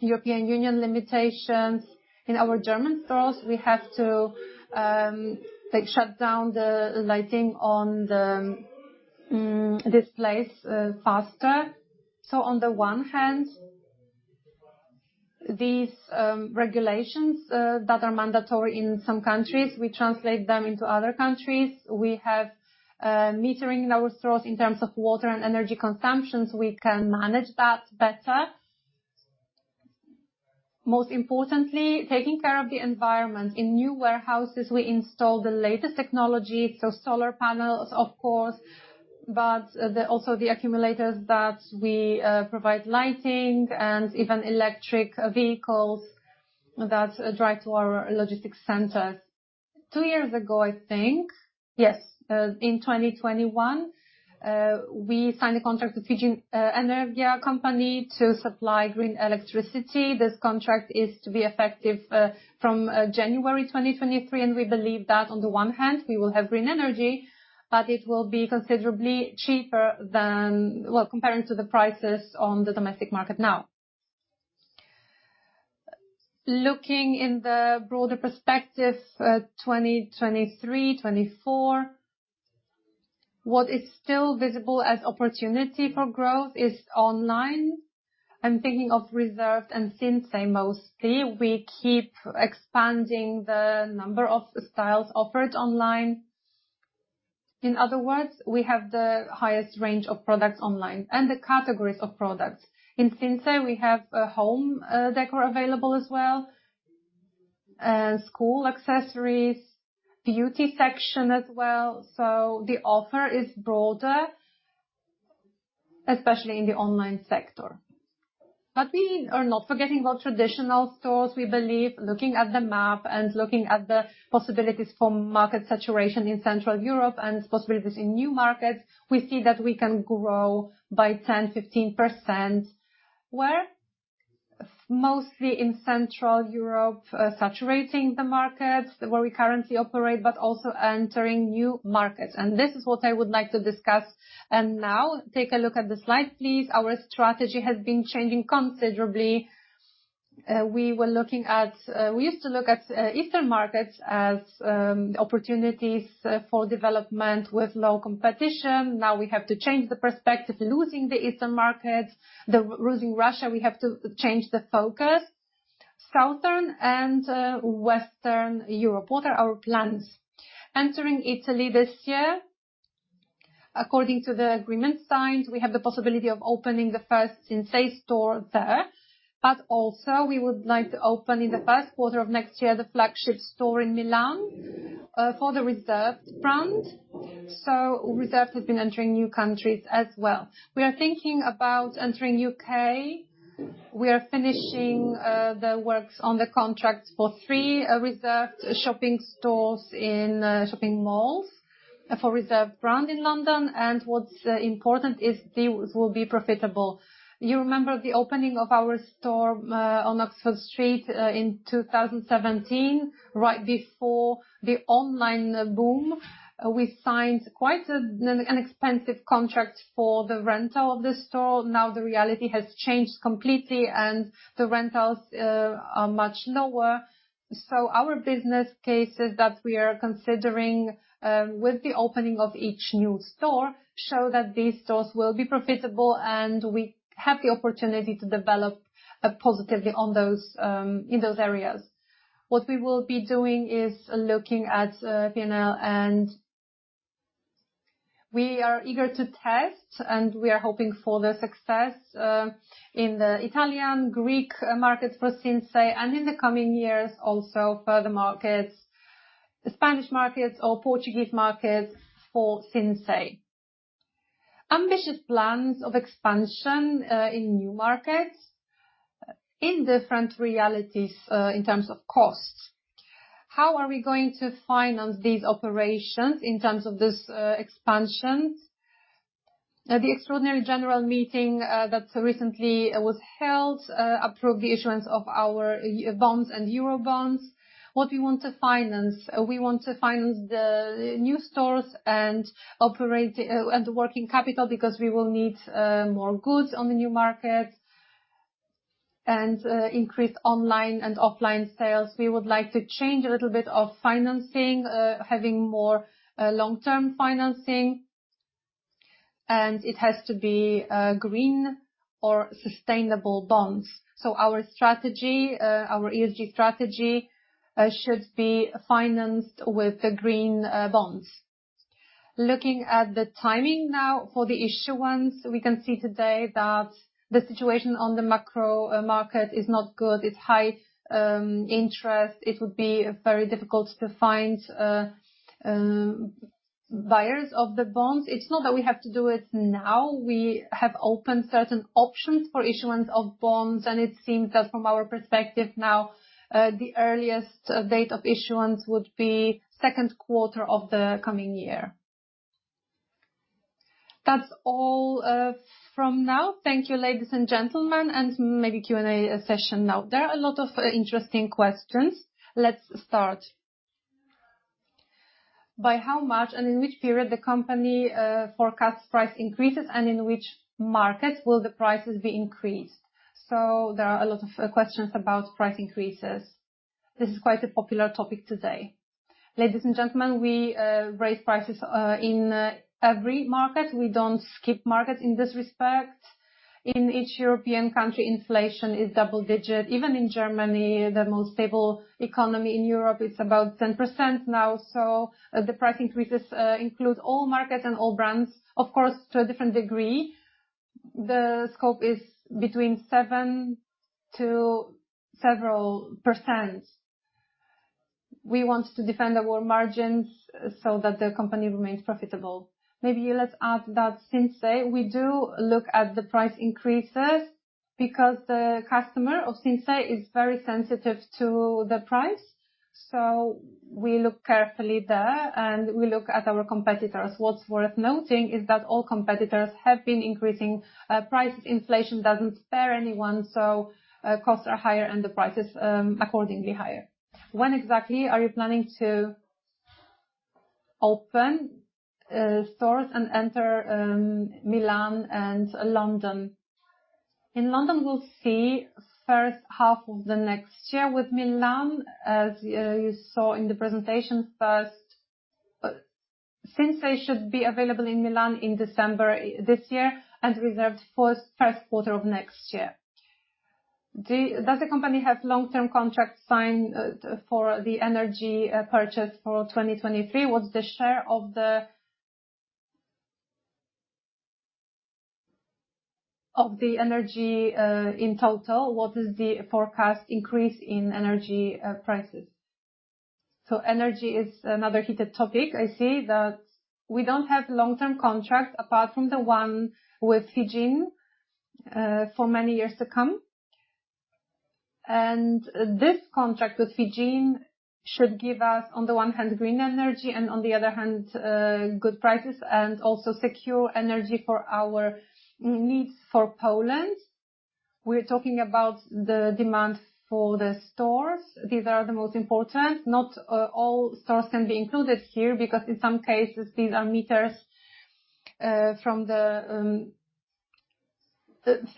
European Union limitations. In our German stores, we have to like shut down the lighting on the displays faster. On the one hand, these regulations that are mandatory in some countries, we translate them into other countries. We have metering in our stores in terms of water and energy consumption, so we can manage that better. Most importantly, taking care of the environment. In new warehouses, we install the latest technology, so solar panels, of course, but also the accumulators that we provide lighting and even electric vehicles that drive to our logistics centers. Two years ago, I think, yes, in 2021, we signed a contract with FIGENE Energia company to supply green electricity. This contract is to be effective from January 2023, and we believe that on the one hand, we will have green energy, but it will be considerably cheaper than, well, comparing to the prices on the domestic market now. Looking in the broader perspective, 2023, 2024, what is still visible as opportunity for growth is online. I'm thinking of Reserved and Sinsay mostly. We keep expanding the number of styles offered online. In other words, we have the highest range of products online and the categories of products. In Sinsay, we have home decor available as well, school accessories, beauty section as well. The offer is broader, especially in the online sector. We are not forgetting about traditional stores. We believe, looking at the map and looking at the possibilities for market saturation in Central Europe and possibilities in new markets, we see that we can grow by 10%-15%. Where? Mostly in Central Europe, saturating the markets where we currently operate, but also entering new markets. This is what I would like to discuss. Now take a look at the slide, please. Our strategy has been changing considerably. We used to look at eastern markets as opportunities for development with low competition. Now we have to change the perspective. Losing the eastern markets, losing Russia, we have to change the focus. Southern and Western Europe. What are our plans? Entering Italy this year. According to the agreement signed, we have the possibility of opening the first Sinsay store there. Also we would like to open in the first quarter of next year, the flagship store in Milan for the Reserved brand. Reserved has been entering new countries as well. We are thinking about entering U.K. We are finishing the works on the contracts for three Reserved stores in shopping malls for Reserved brand in London. What's important is they will be profitable. You remember the opening of our store on Oxford Street in 2017, right before the online boom. We signed quite an expensive contract for the rental of the store. Now the reality has changed completely and the rentals are much lower. Our business cases that we are considering with the opening of each new store show that these stores will be profitable and we have the opportunity to develop positively in those areas. What we will be doing is looking at, you know. We are eager to test, and we are hoping for the success in the Italian, Greek markets for Sinsay and in the coming years also further markets, the Spanish markets or Portuguese markets for Sinsay. Ambitious plans of expansion in new markets in different realities in terms of costs. How are we going to finance these operations in terms of this expansion? At the extraordinary general meeting that recently was held approved the issuance of our bonds and euro bonds. What we want to finance? We want to finance the new stores and operations and the working capital because we will need more goods on the new market and increase online and offline sales. We would like to change a little bit of financing having more long-term financing, and it has to be green or sustainable bonds. Our strategy, our ESG strategy, should be financed with the green bonds. Looking at the timing now for the issuance, we can see today that the situation on the macro market is not good. It's high interest. It would be very difficult to find buyers of the bonds. It's not that we have to do it now. We have opened certain options for issuance of bonds, and it seems that from our perspective now, the earliest date of issuance would be second quarter of the coming year. That's all from now. Thank you, ladies and gentlemen. Maybe Q&A session now.
There are a lot of interesting questions. Let's start. By how much and in which period the company forecasts price increases and in which markets will the prices be increased?
So there are a lot of questions about price increases. This is quite a popular topic today. Ladies and gentlemen, we raise prices in every market. We don't skip markets in this respect. In each European country, inflation is double-digit. Even in Germany, the most stable economy in Europe, it's about 10% now. The price increases includes all markets and all brands, of course, to a different degree. The scope is between 7% to several percent. We want to defend our margins so that the company remains profitable. Maybe let's add that Sinsay, we do look at the price increases because the customer of Sinsay is very sensitive to the price. We look carefully there, and we look at our competitors. What's worth noting is that all competitors have been increasing prices. Inflation doesn't spare anyone, so costs are higher and the prices accordingly higher.
When exactly are you planning to open, stores and enter, Milan and London?
In London, we'll see first half of the next year. With Milan, as you saw in the presentation, Sinsay should be available in Milan in December this year and Reserved first quarter of next year.
Does the company have long-term contracts signed, for the energy, purchase for 2023? What's the share of the energy in total? What is the forecast increase in energy prices?
Energy is another heated topic. I see that we don't have long-term contracts apart from the one with FIGENE, for many years to come. This contract with FIGENE should give us, on the one hand, green energy, and on the other hand, good prices and also secure energy for our needs for Poland. We're talking about the demand for the stores. These are the most important. Not all stores can be included here because in some cases, these are meters from the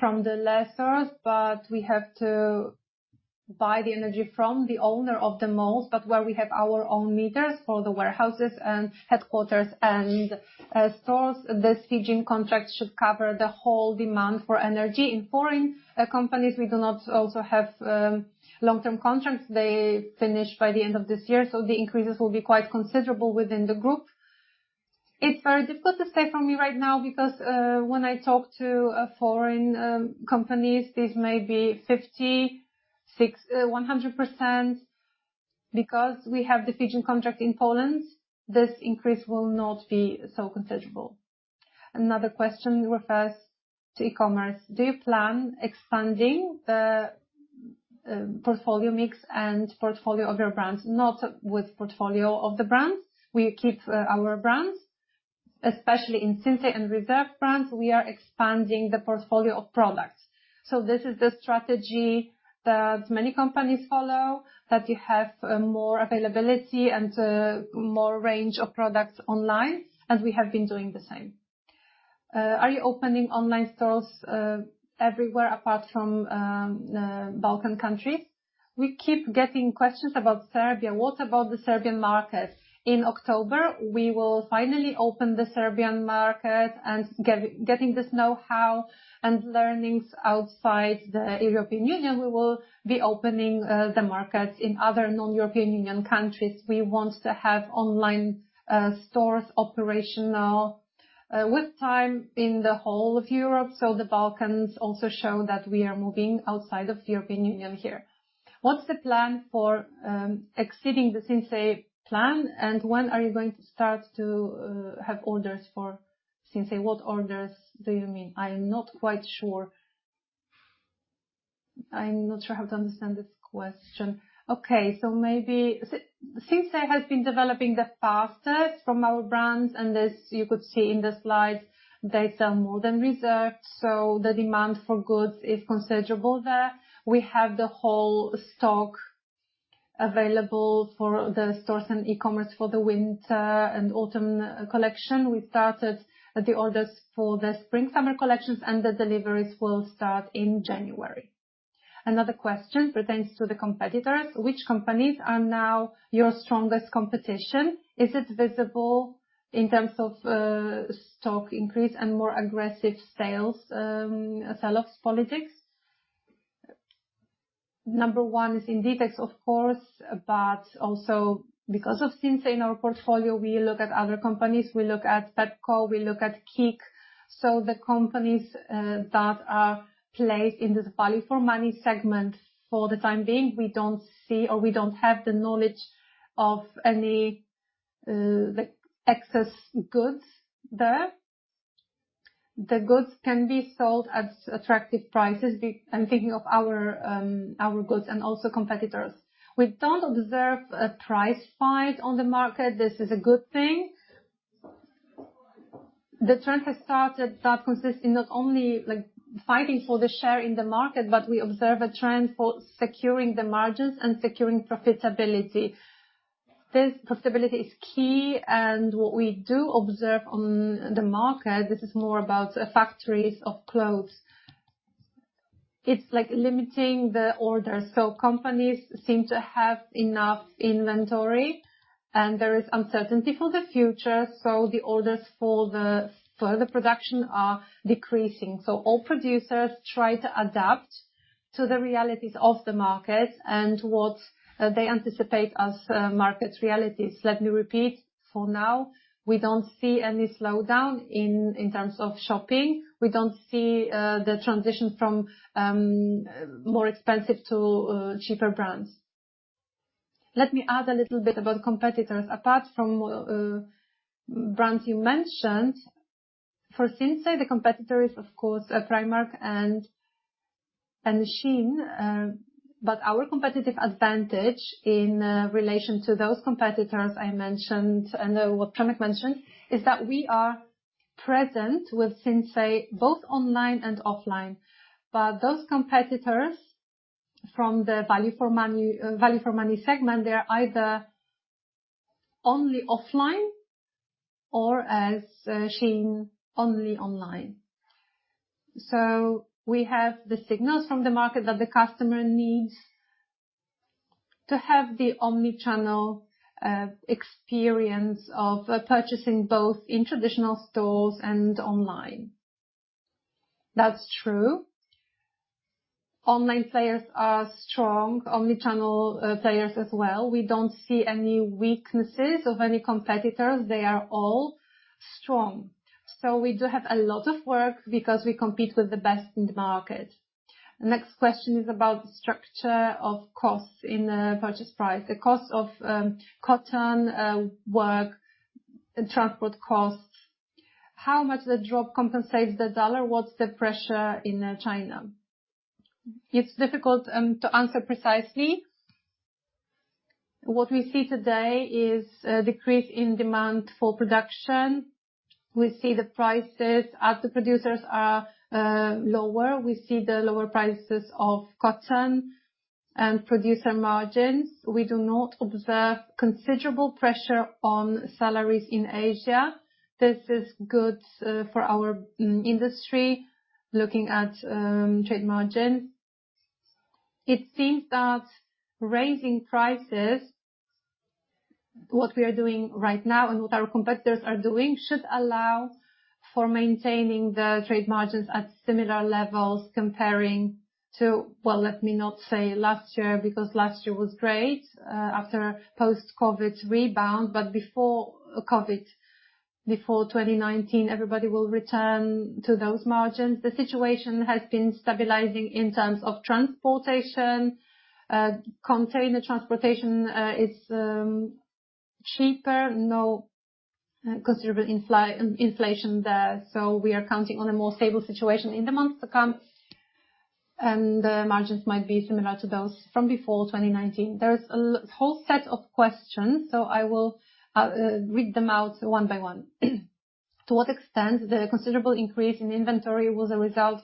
lessors, but we have to buy the energy from the owner of the malls. Where we have our own meters for the warehouses and headquarters and stores, this FIGENE contract should cover the whole demand for energy. In foreign companies, we do not also have long-term contracts. They finish by the end of this year, so the increases will be quite considerable within the group. It's very difficult to say for me right now because when I talk to foreign companies, this may be 56%, 100%. Because we have the FIGENE contract in Poland, this increase will not be so considerable.
Another question refers to e-commerce: Do you plan expanding the, portfolio mix and portfolio of your brands?
Not with portfolio of the brands. We keep our brands. Especially in Sinsay and Reserved brands, we are expanding the portfolio of products. This is the strategy that many companies follow, that you have, more availability and, more range of products online as we have been doing the same.
Are you opening online stores, everywhere apart from, Balkan countries?
We keep getting questions about Serbia. What about the Serbian market? In October, we will finally open the Serbian market and get this know-how and learnings outside the European Union. We will be opening, the markets in other non-European Union countries. We want to have online, stores operational, with time in the whole of Europe.
The Balkans also shown that we are moving outside of the European Union here. What's the plan for exceeding the Sinsay plan? And when are you going to start to have orders for Sinsay? What orders do you mean?
I'm not quite sure. I'm not sure how to understand this question. Okay, maybe Sinsay has been developing the fastest from our brands, and this you could see in the slides, they sell more than Reserved, so the demand for goods is considerable there. We have the whole stock available for the stores and e-commerce for the winter and autumn collection. We started the orders for the spring/summer collections and the deliveries will start in January.
Another question pertains to the competitors. Which companies are now your strongest competition? Is it visible in terms of stock increase and more aggressive sales, sell-off policies?
Number one is Inditex, of course, but also because of Sinsay in our portfolio, we look at other companies. We look at Pepco, we look at KiK. The companies that are placed in this value for money segment. For the time being, we don't see or we don't have the knowledge of any the excess goods there. The goods can be sold at attractive prices. I'm thinking of our goods and also competitors. We don't observe a price fight on the market. This is a good thing. The trend has started that consists in not only like fighting for the share in the market, but we observe a trend for securing the margins and securing profitability. This possibility is key and what we do observe on the market, this is more about factories of clothes. It's like limiting the orders. Companies seem to have enough inventory and there is uncertainty for the future, so the orders for the further production are decreasing. All producers try to adapt to the realities of the market and what they anticipate as market realities. Let me repeat. For now, we don't see any slowdown in terms of shopping. We don't see the transition from more expensive to cheaper brands.
Let me add a little bit about competitors. Apart from brands you mentioned, for Sinsay, the competitor is, of course, Primark and SHEIN. Our competitive advantage in relation to those competitors I mentioned and what Przemek mentioned, is that we are present with Sinsay both online and offline. Those competitors from the value for money segment, they're either only offline or as SHEIN, only online. We have the signals from the market that the customer needs to have the omni-channel experience of purchasing both in traditional stores and online. That's true. Online players are strong, omni-channel players as well. We don't see any weaknesses of any competitors. They are all strong. We do have a lot of work because we compete with the best in the market. The next question is about the structure of costs in the purchase price. The cost of cotton, work and transport costs. How much the drop compensates the dollar? What's the pressure in China?
It's difficult to answer precisely. What we see today is a decrease in demand for production. We see the prices at the producers are lower. We see the lower prices of cotton and producer margins. We do not observe considerable pressure on salaries in Asia. This is good for our industry, looking at trade margin. It seems that raising prices, what we are doing right now and what our competitors are doing, should allow for maintaining the trade margins at similar levels comparing to last year. Well, let me not say last year, because last year was great, after post-COVID rebound. Before COVID, before 2019, everybody will return to those margins. The situation has been stabilizing in terms of transportation. Container transportation is cheaper. No considerable inflation there. We are counting on a more stable situation in the months to come, and the margins might be similar to those from before 2019. There is a whole set of questions, so I will read them out one by one.
To what extent the considerable increase in inventory was a result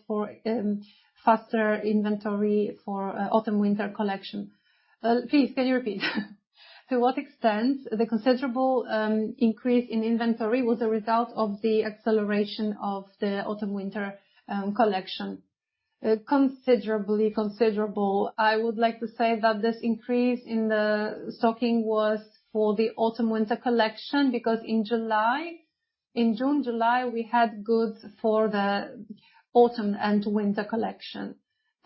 of the acceleration of the autumn, winter collection?
Considerable. I would like to say that this increase in the stocking was for the autumn, winter collection, because in June, July, we had goods for the autumn and winter collection.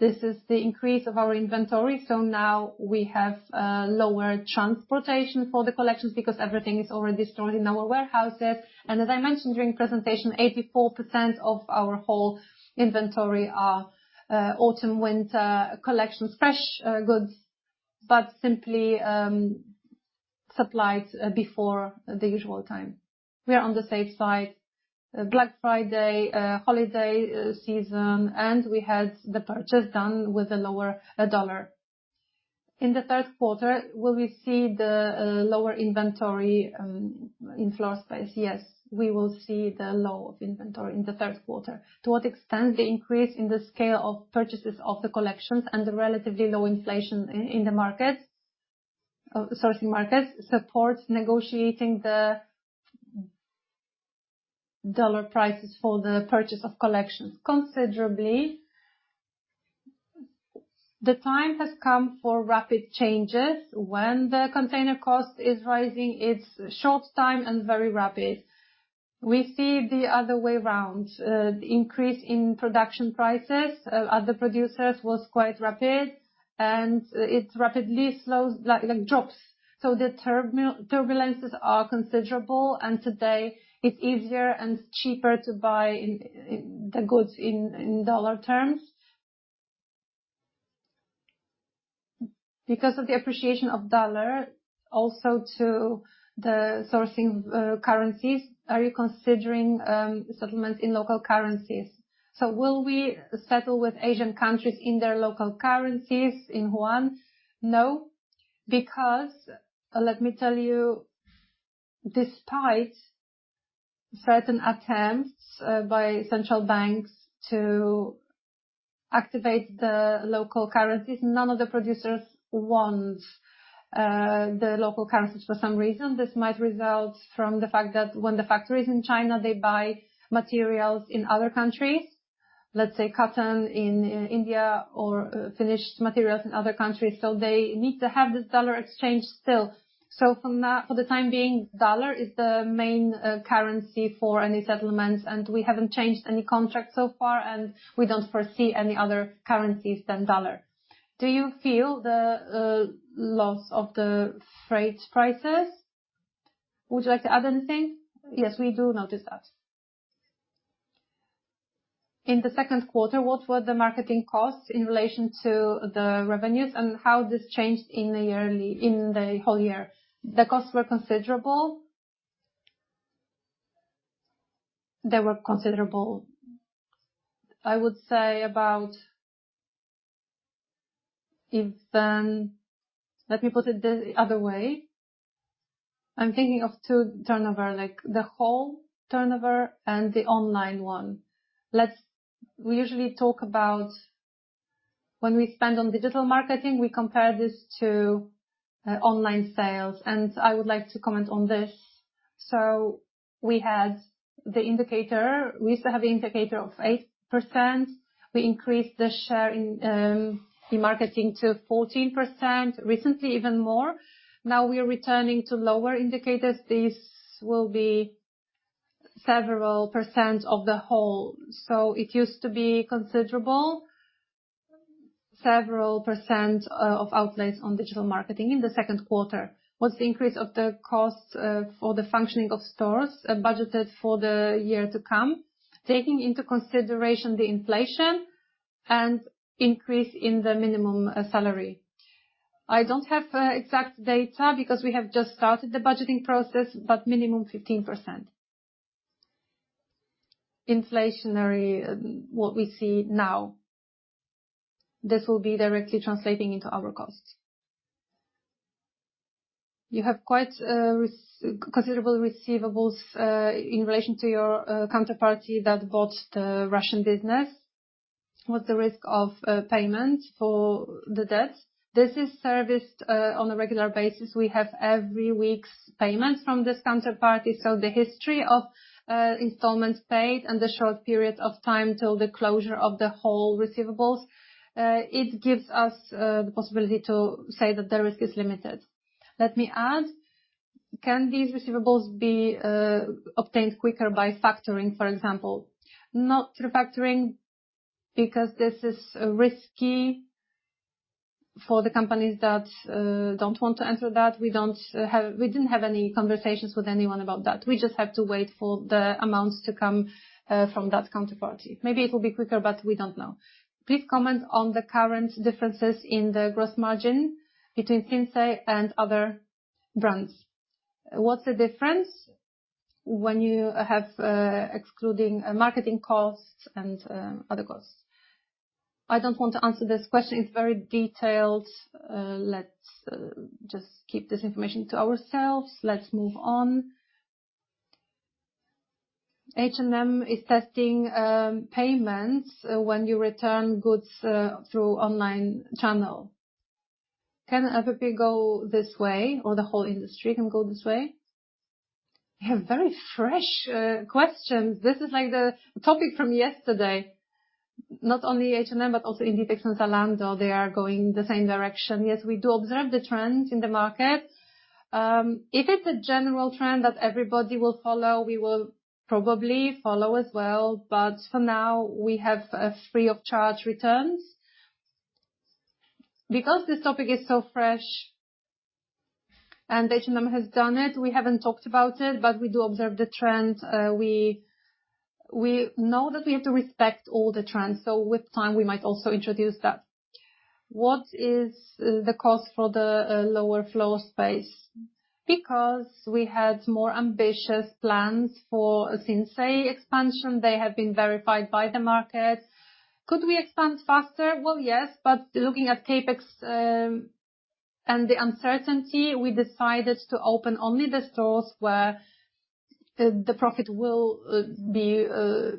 This is the increase of our inventory, so now we have lower transportation for the collections because everything is already stored in our warehouses. As I mentioned during presentation, 84% of our whole inventory are autumn, winter collections. Fresh goods, but simply supplied before the usual time. We are on the safe side.
Black Friday holiday season, and we had the purchase done with a lower dollar. In the third quarter, will we see the lower inventory in floor space?
Yes, we will see the low of inventory in the third quarter.
To what extent the increase in the scale of purchases of the collections and the relatively low inflation in the market, of sourcing markets, supports negotiating the dollar prices for the purchase of collections?
Considerably. The time has come for rapid changes. When the container cost is rising, it's short time and very rapid. We see the other way around. The increase in production prices at the producers was quite rapid and it rapidly slows, like drops. The turbulences are considerable and today it's easier and cheaper to buy in the goods in dollar terms.
Because of the appreciation of dollar also to the sourcing currencies, are you considering settlements in local currencies? Will we settle with Asian countries in their local currencies, in yuan?
No, because let me tell you, despite certain attempts by central banks to activate the local currencies, none of the producers want the local currencies for some reason. This might result from the fact that when the factories in China, they buy materials in other countries. Let's say cotton in India or finished materials in other countries, so they need to have this dollar exchange still. From that, for the time being, dollar is the main currency for any settlements, and we haven't changed any contracts so far, and we don't foresee any other currencies than dollar.
Do you feel the loss of the freight prices? Would you like to add anything?
Yes, we do notice that.
In the second quarter, what were the marketing costs in relation to the revenues and how this changed in the whole year?
The costs were considerable. I would say about even. Let me put it the other way. I'm thinking of the turnover, like the whole turnover and the online one. We usually talk about when we spend on digital marketing, we compare this to online sales, and I would like to comment on this. We had the indicator. We used to have the indicator of 8%. We increased the share in the marketing to 14%. Recently, even more. Now we are returning to lower indicators. This will be several percent of the whole. It used to be considerable. Several percent of outlays on digital marketing in the second quarter.
What's the increase of the cost for the functioning of stores budgeted for the year to come, taking into consideration the inflation and increase in the minimum salary?
I don't have exact data because we have just started the budgeting process, but minimum 15%. Inflationary what we see now, this will be directly translating into our costs.
You have quite considerable receivables in relation to your counterparty that bought the Russian business. What's the risk of payment for the debt?
This is serviced on a regular basis. We have every week's payment from this counterparty. The history of installments paid and the short period of time till the closure of the whole receivables, it gives us the possibility to say that the risk is limited.
Let me add. Can these receivables be obtained quicker by factoring, for example?
Not through factoring, because this is risky for the companies that don't want to enter that. We didn't have any conversations with anyone about that. We just have to wait for the amounts to come from that counterparty. Maybe it will be quicker, but we don't know.
Please comment on the current differences in the gross margin between Sinsay and other brands. What's the difference when you have excluding marketing costs and other costs?
I don't want to answer this question. It's very detailed. Let's just keep this information to ourselves. Let's move on.
H&M is testing payments when you return goods through online channel. Can LPP go this way or the whole industry can go this way?
You have very fresh questions. This is like the topic from yesterday. Not only H&M, but also Inditex and Zalando, they are going the same direction. Yes, we do observe the trends in the market. If it's a general trend that everybody will follow, we will probably follow as well. For now, we have free of charge returns. Because this topic is so fresh and H&M has done it, we haven't talked about it, but we do observe the trend. We know that we have to respect all the trends. With time, we might also introduce that.
What is the cost for the lower floor space? Because we had more ambitious plans for Sinsay expansion, they have been verified by the market. Could we expand faster?
Well, yes. Looking at CapEx, and the uncertainty, we decided to open only the stores where the profit will be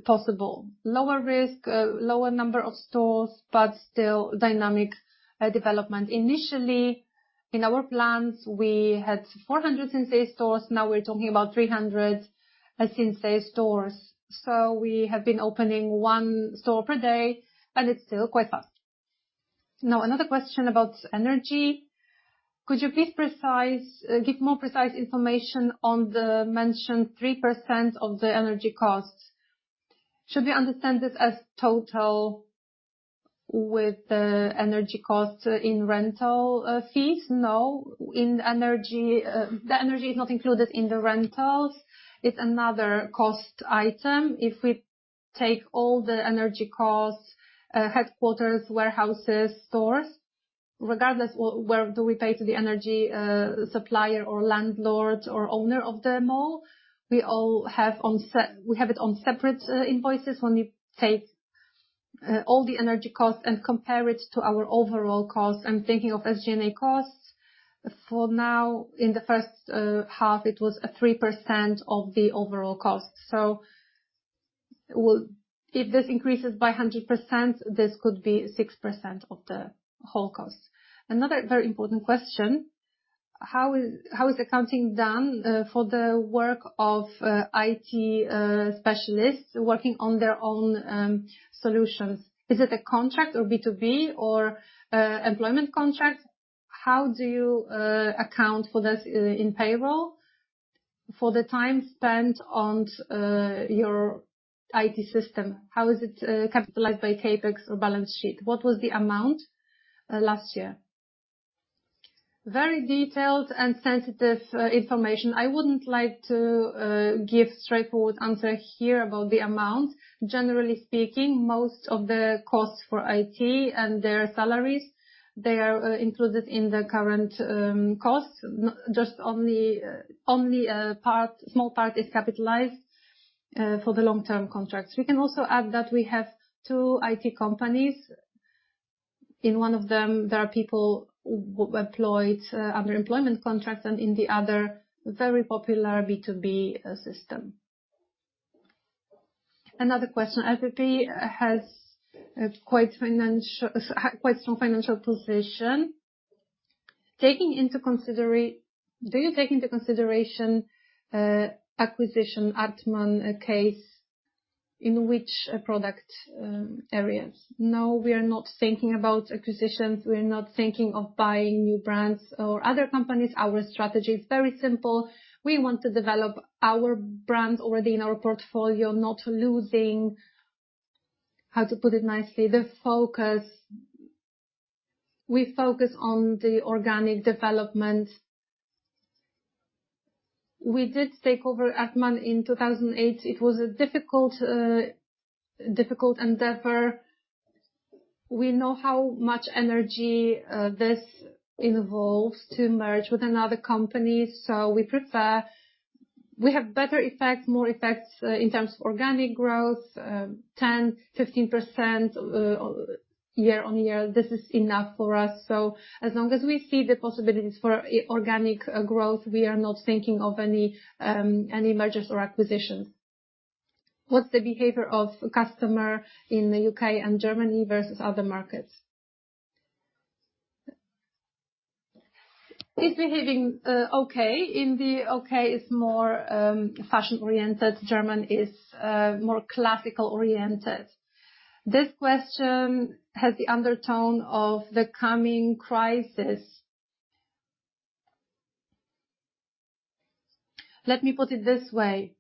possible. Lower risk, lower number of stores, but still dynamic development. Initially, in our plans, we had 400 Sinsay stores. Now we're talking about 300 Sinsay stores. We have been opening one store per day, and it's still quite fast.
Now, another question about energy. Could you please give more precise information on the mentioned 3% of the energy costs. Should we understand this as total with the energy costs in rental fees?
No. The energy is not included in the rentals. It's another cost item. If we take all the energy costs, headquarters, warehouses, stores, regardless where do we pay to the energy supplier or landlord or owner of the mall, we all have it on separate invoices. When we take all the energy costs and compare it to our overall costs, I'm thinking of SG&A costs. For now, in the first half, it was 3% of the overall cost. If this increases by 100%, this could be 6% of the whole cost.
Another very important question: How is accounting done for the work of IT specialists working on their own solutions? Is it a contract or B2B or employment contract? How do you account for this in payroll for the time spent on your IT system? How is it capitalized by CapEx or balance sheet? What was the amount last year?
Very detailed and sensitive information. I wouldn't like to give a straightforward answer here about the amount. Generally speaking, most of the costs for IT and their salaries, they are included in the current costs. Only a small part is capitalized for the long-term contracts. We can also add that we have two IT companies. In one of them, there are people employed under employment contracts and in the other, very popular B2B system.
Another question. LPP has a quite strong financial position. Do you take into consideration acquisition Artman case, in which product areas?
No, we are not thinking about acquisitions. We are not thinking of buying new brands or other companies. Our strategy is very simple. We want to develop our brands already in our portfolio, not losing, how to put it nicely, the focus. We focus on the organic development. We did take over Artman in 2008. It was a difficult endeavor. We know how much energy this involves to merge with another company, so we prefer. We have better effects, more effects in terms of organic growth, 10%, 15% year-over-year. This is enough for us. As long as we see the possibilities for organic growth, we are not thinking of any mergers or acquisitions.
What's the behavior of customer in the U.K. And Germany versus other markets?
It's behaving okay. In the U.K., it's more fashion-oriented. German is more classical-oriented. This question has the undertone of the coming crisis. Let me put it this way.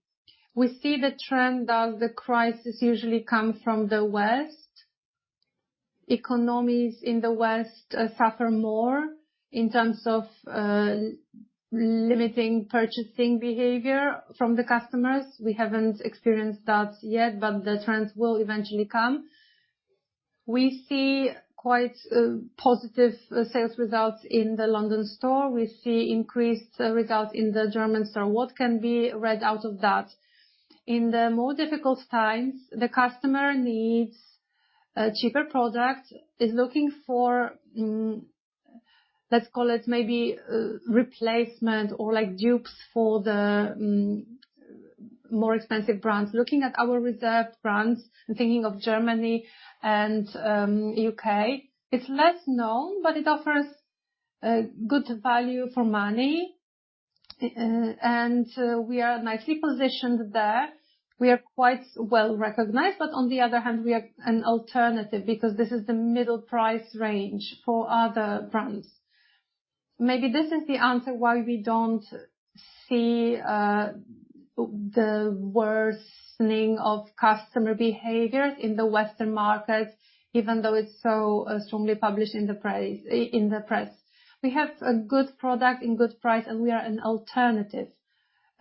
We see the trend that the crisis usually come from the West. Economies in the West suffer more in terms of limiting purchasing behavior from the customers. We haven't experienced that yet, but the trends will eventually come. We see quite positive sales results in the London store. We see increased results in the German store.
What can be read out of that?
In the more difficult times, the customer needs a cheaper product, is looking for, let's call it maybe, replacement or like dupes for the more expensive brands. Looking at our Reserved brands and thinking of Germany and U.K., it's less known, but it offers a good value for money. We are nicely positioned there. We are quite well-recognized, but on the other hand, we are an alternative because this is the middle price range for other brands. Maybe this is the answer why we don't see the worsening of customer behaviors in the Western markets, even though it's so strongly published in the press, in the press. We have a good product and good price, and we are an alternative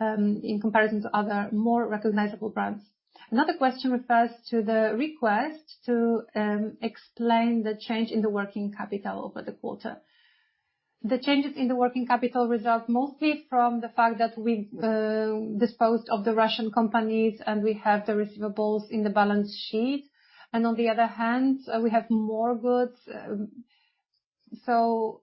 in comparison to other more recognizable brands. Another question refers to the request to explain the change in the working capital over the quarter. The changes in the working capital result mostly from the fact that we disposed of the Russian companies, and we have the receivables in the balance sheet. On the other hand, we have more goods, so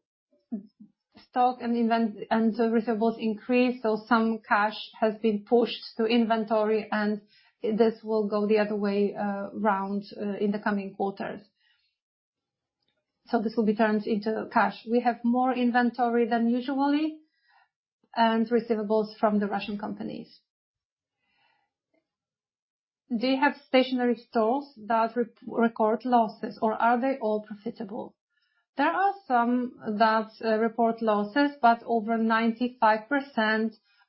stock and receivables increase. Some cash has been pushed to inventory, and this will go the other way round in the coming quarters. This will be turned into cash. We have more inventory than usual and receivables from the Russian companies. Do you have stationary stores that record losses or are they all profitable? There are some that report losses, but over 95%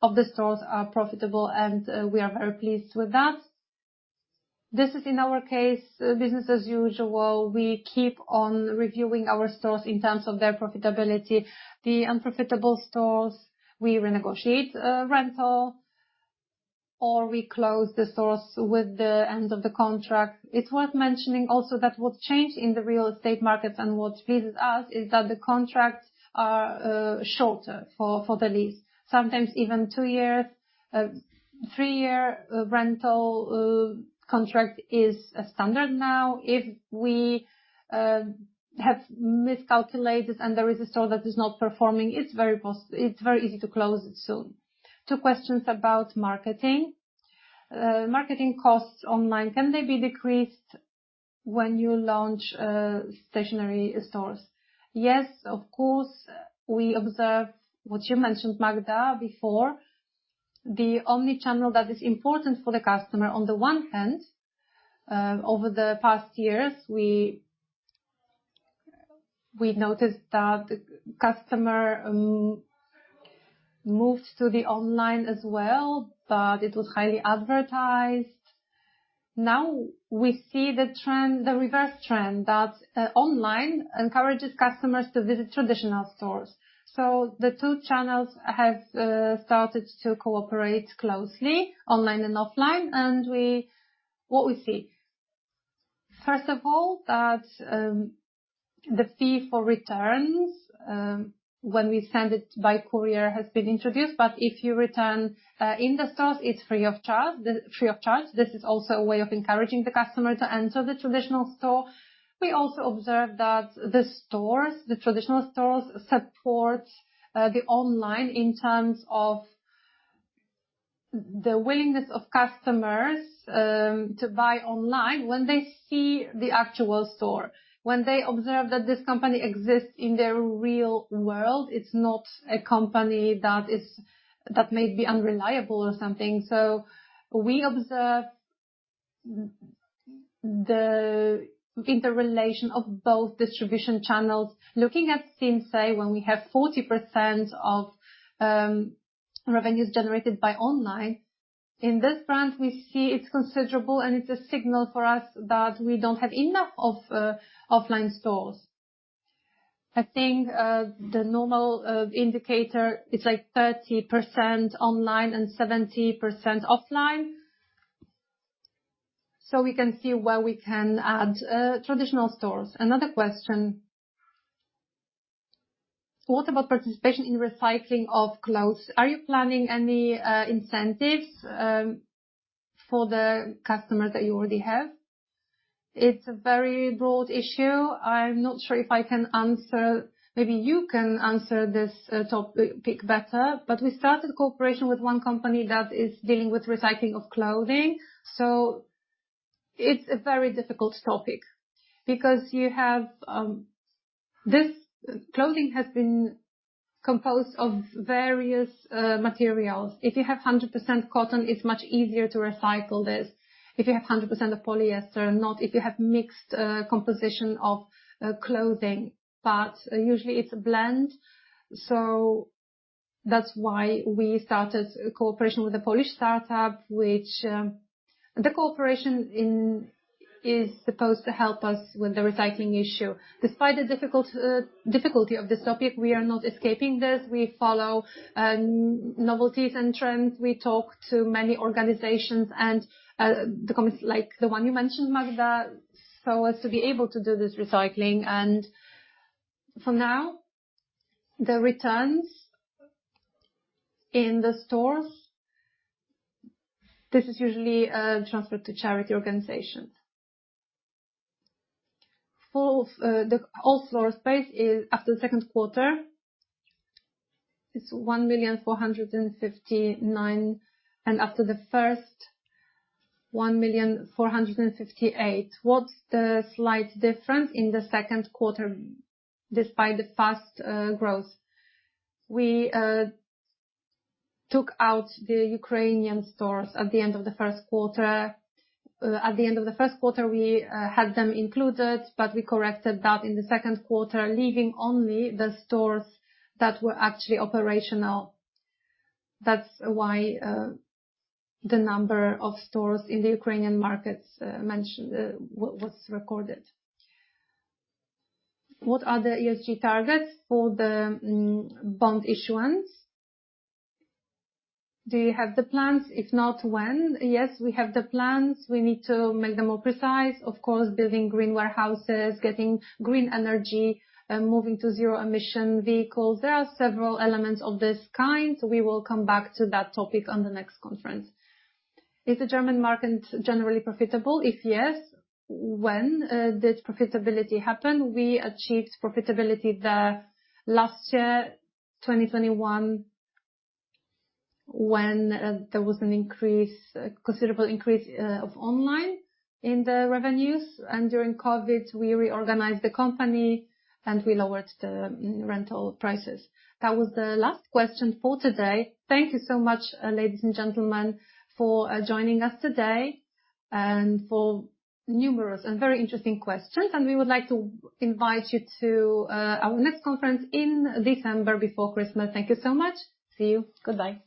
of the stores are profitable, and we are very pleased with that. This is, in our case, business as usual. We keep on reviewing our stores in terms of their profitability. The unprofitable stores, we renegotiate rental, or we close the stores with the end of the contract. It's worth mentioning also that what changed in the real estate markets and what visits us is that the contracts are shorter for the lease. Sometimes even two years, three-year rental contract is a standard now.
If we have miscalculated and there is a store that is not performing, it's very easy to close it soon. Two questions about marketing. Marketing costs online, can they be decreased when you launch stationary stores?
Yes, of course. We observe what you mentioned, Magda, before. The only channel that is important for the customer, on the one hand, over the past years, we noticed that customer moves to the online as well, but it was highly advertised. Now we see the reverse trend, that online encourages customers to visit traditional stores. The two channels have started to cooperate closely, online and offline. What we see? First of all, the fee for returns, when we send it by courier has been introduced, but if you return in the stores, it's free of charge, free of charge. This is also a way of encouraging the customer to enter the traditional store. We also observed that the stores, the traditional stores, support the online in terms of the willingness of customers to buy online when they see the actual store, when they observe that this company exists in the real world, it's not a company that is that may be unreliable or something. We observe the interrelation of both distribution channels. Looking at Sinsay, when we have 40% of revenues generated by online. In this brand, we see it's considerable, and it's a signal for us that we don't have enough of offline stores. I think the normal indicator is like 30% online and 70% offline. We can see where we can add traditional stores.
Another question. What about participation in recycling of clothes? Are you planning any incentives for the customers that you already have?
It's a very broad issue. I'm not sure if I can answer. Maybe you can answer this topic better. We started cooperation with one company that is dealing with recycling of clothing. It's a very difficult topic because clothing has been composed of various materials. If you have 100% cotton, it's much easier to recycle this. If you have 100% of polyester, not if you have mixed composition of clothing. Usually it's a blend. That's why we started cooperation with a Polish start-up, which the cooperation is supposed to help us with the recycling issue. Despite the difficulty of this topic, we are not escaping this. We follow novelties and trends. We talk to many organizations and, like the one you mentioned, Magda, so as to be able to do this recycling. For now, the returns in the stores, this is usually transferred to charity organizations. All floor space is after the second quarter. It's 1,459, and after the first, 1,458.
What's the slight difference in the second quarter despite the fast growth?
We took out the Ukrainian stores at the end of the first quarter. At the end of the first quarter, we had them included, but we corrected that in the second quarter, leaving only the stores that were actually operational. That's why the number of stores in the Ukrainian markets was recorded.
What are the ESG targets for the bond issuance? Do you have the plans? If not, when?
Yes, we have the plans. We need to make them more precise. Of course, building green warehouses, getting green energy, moving to zero-emission vehicles. There are several elements of this kind. We will come back to that topic on the next conference.
Is the German market generally profitable? If yes, when this profitability happened?
We achieved profitability the last year, 2021, when there was an increase, a considerable increase, of online in the revenues. During COVID, we reorganized the company and we lowered the rental prices.
That was the last question for today. Thank you so much, ladies and gentlemen, for joining us today and for numerous and very interesting questions. We would like to invite you to, our next conference in December before Christmas. Thank you so much. See you. Goodbye.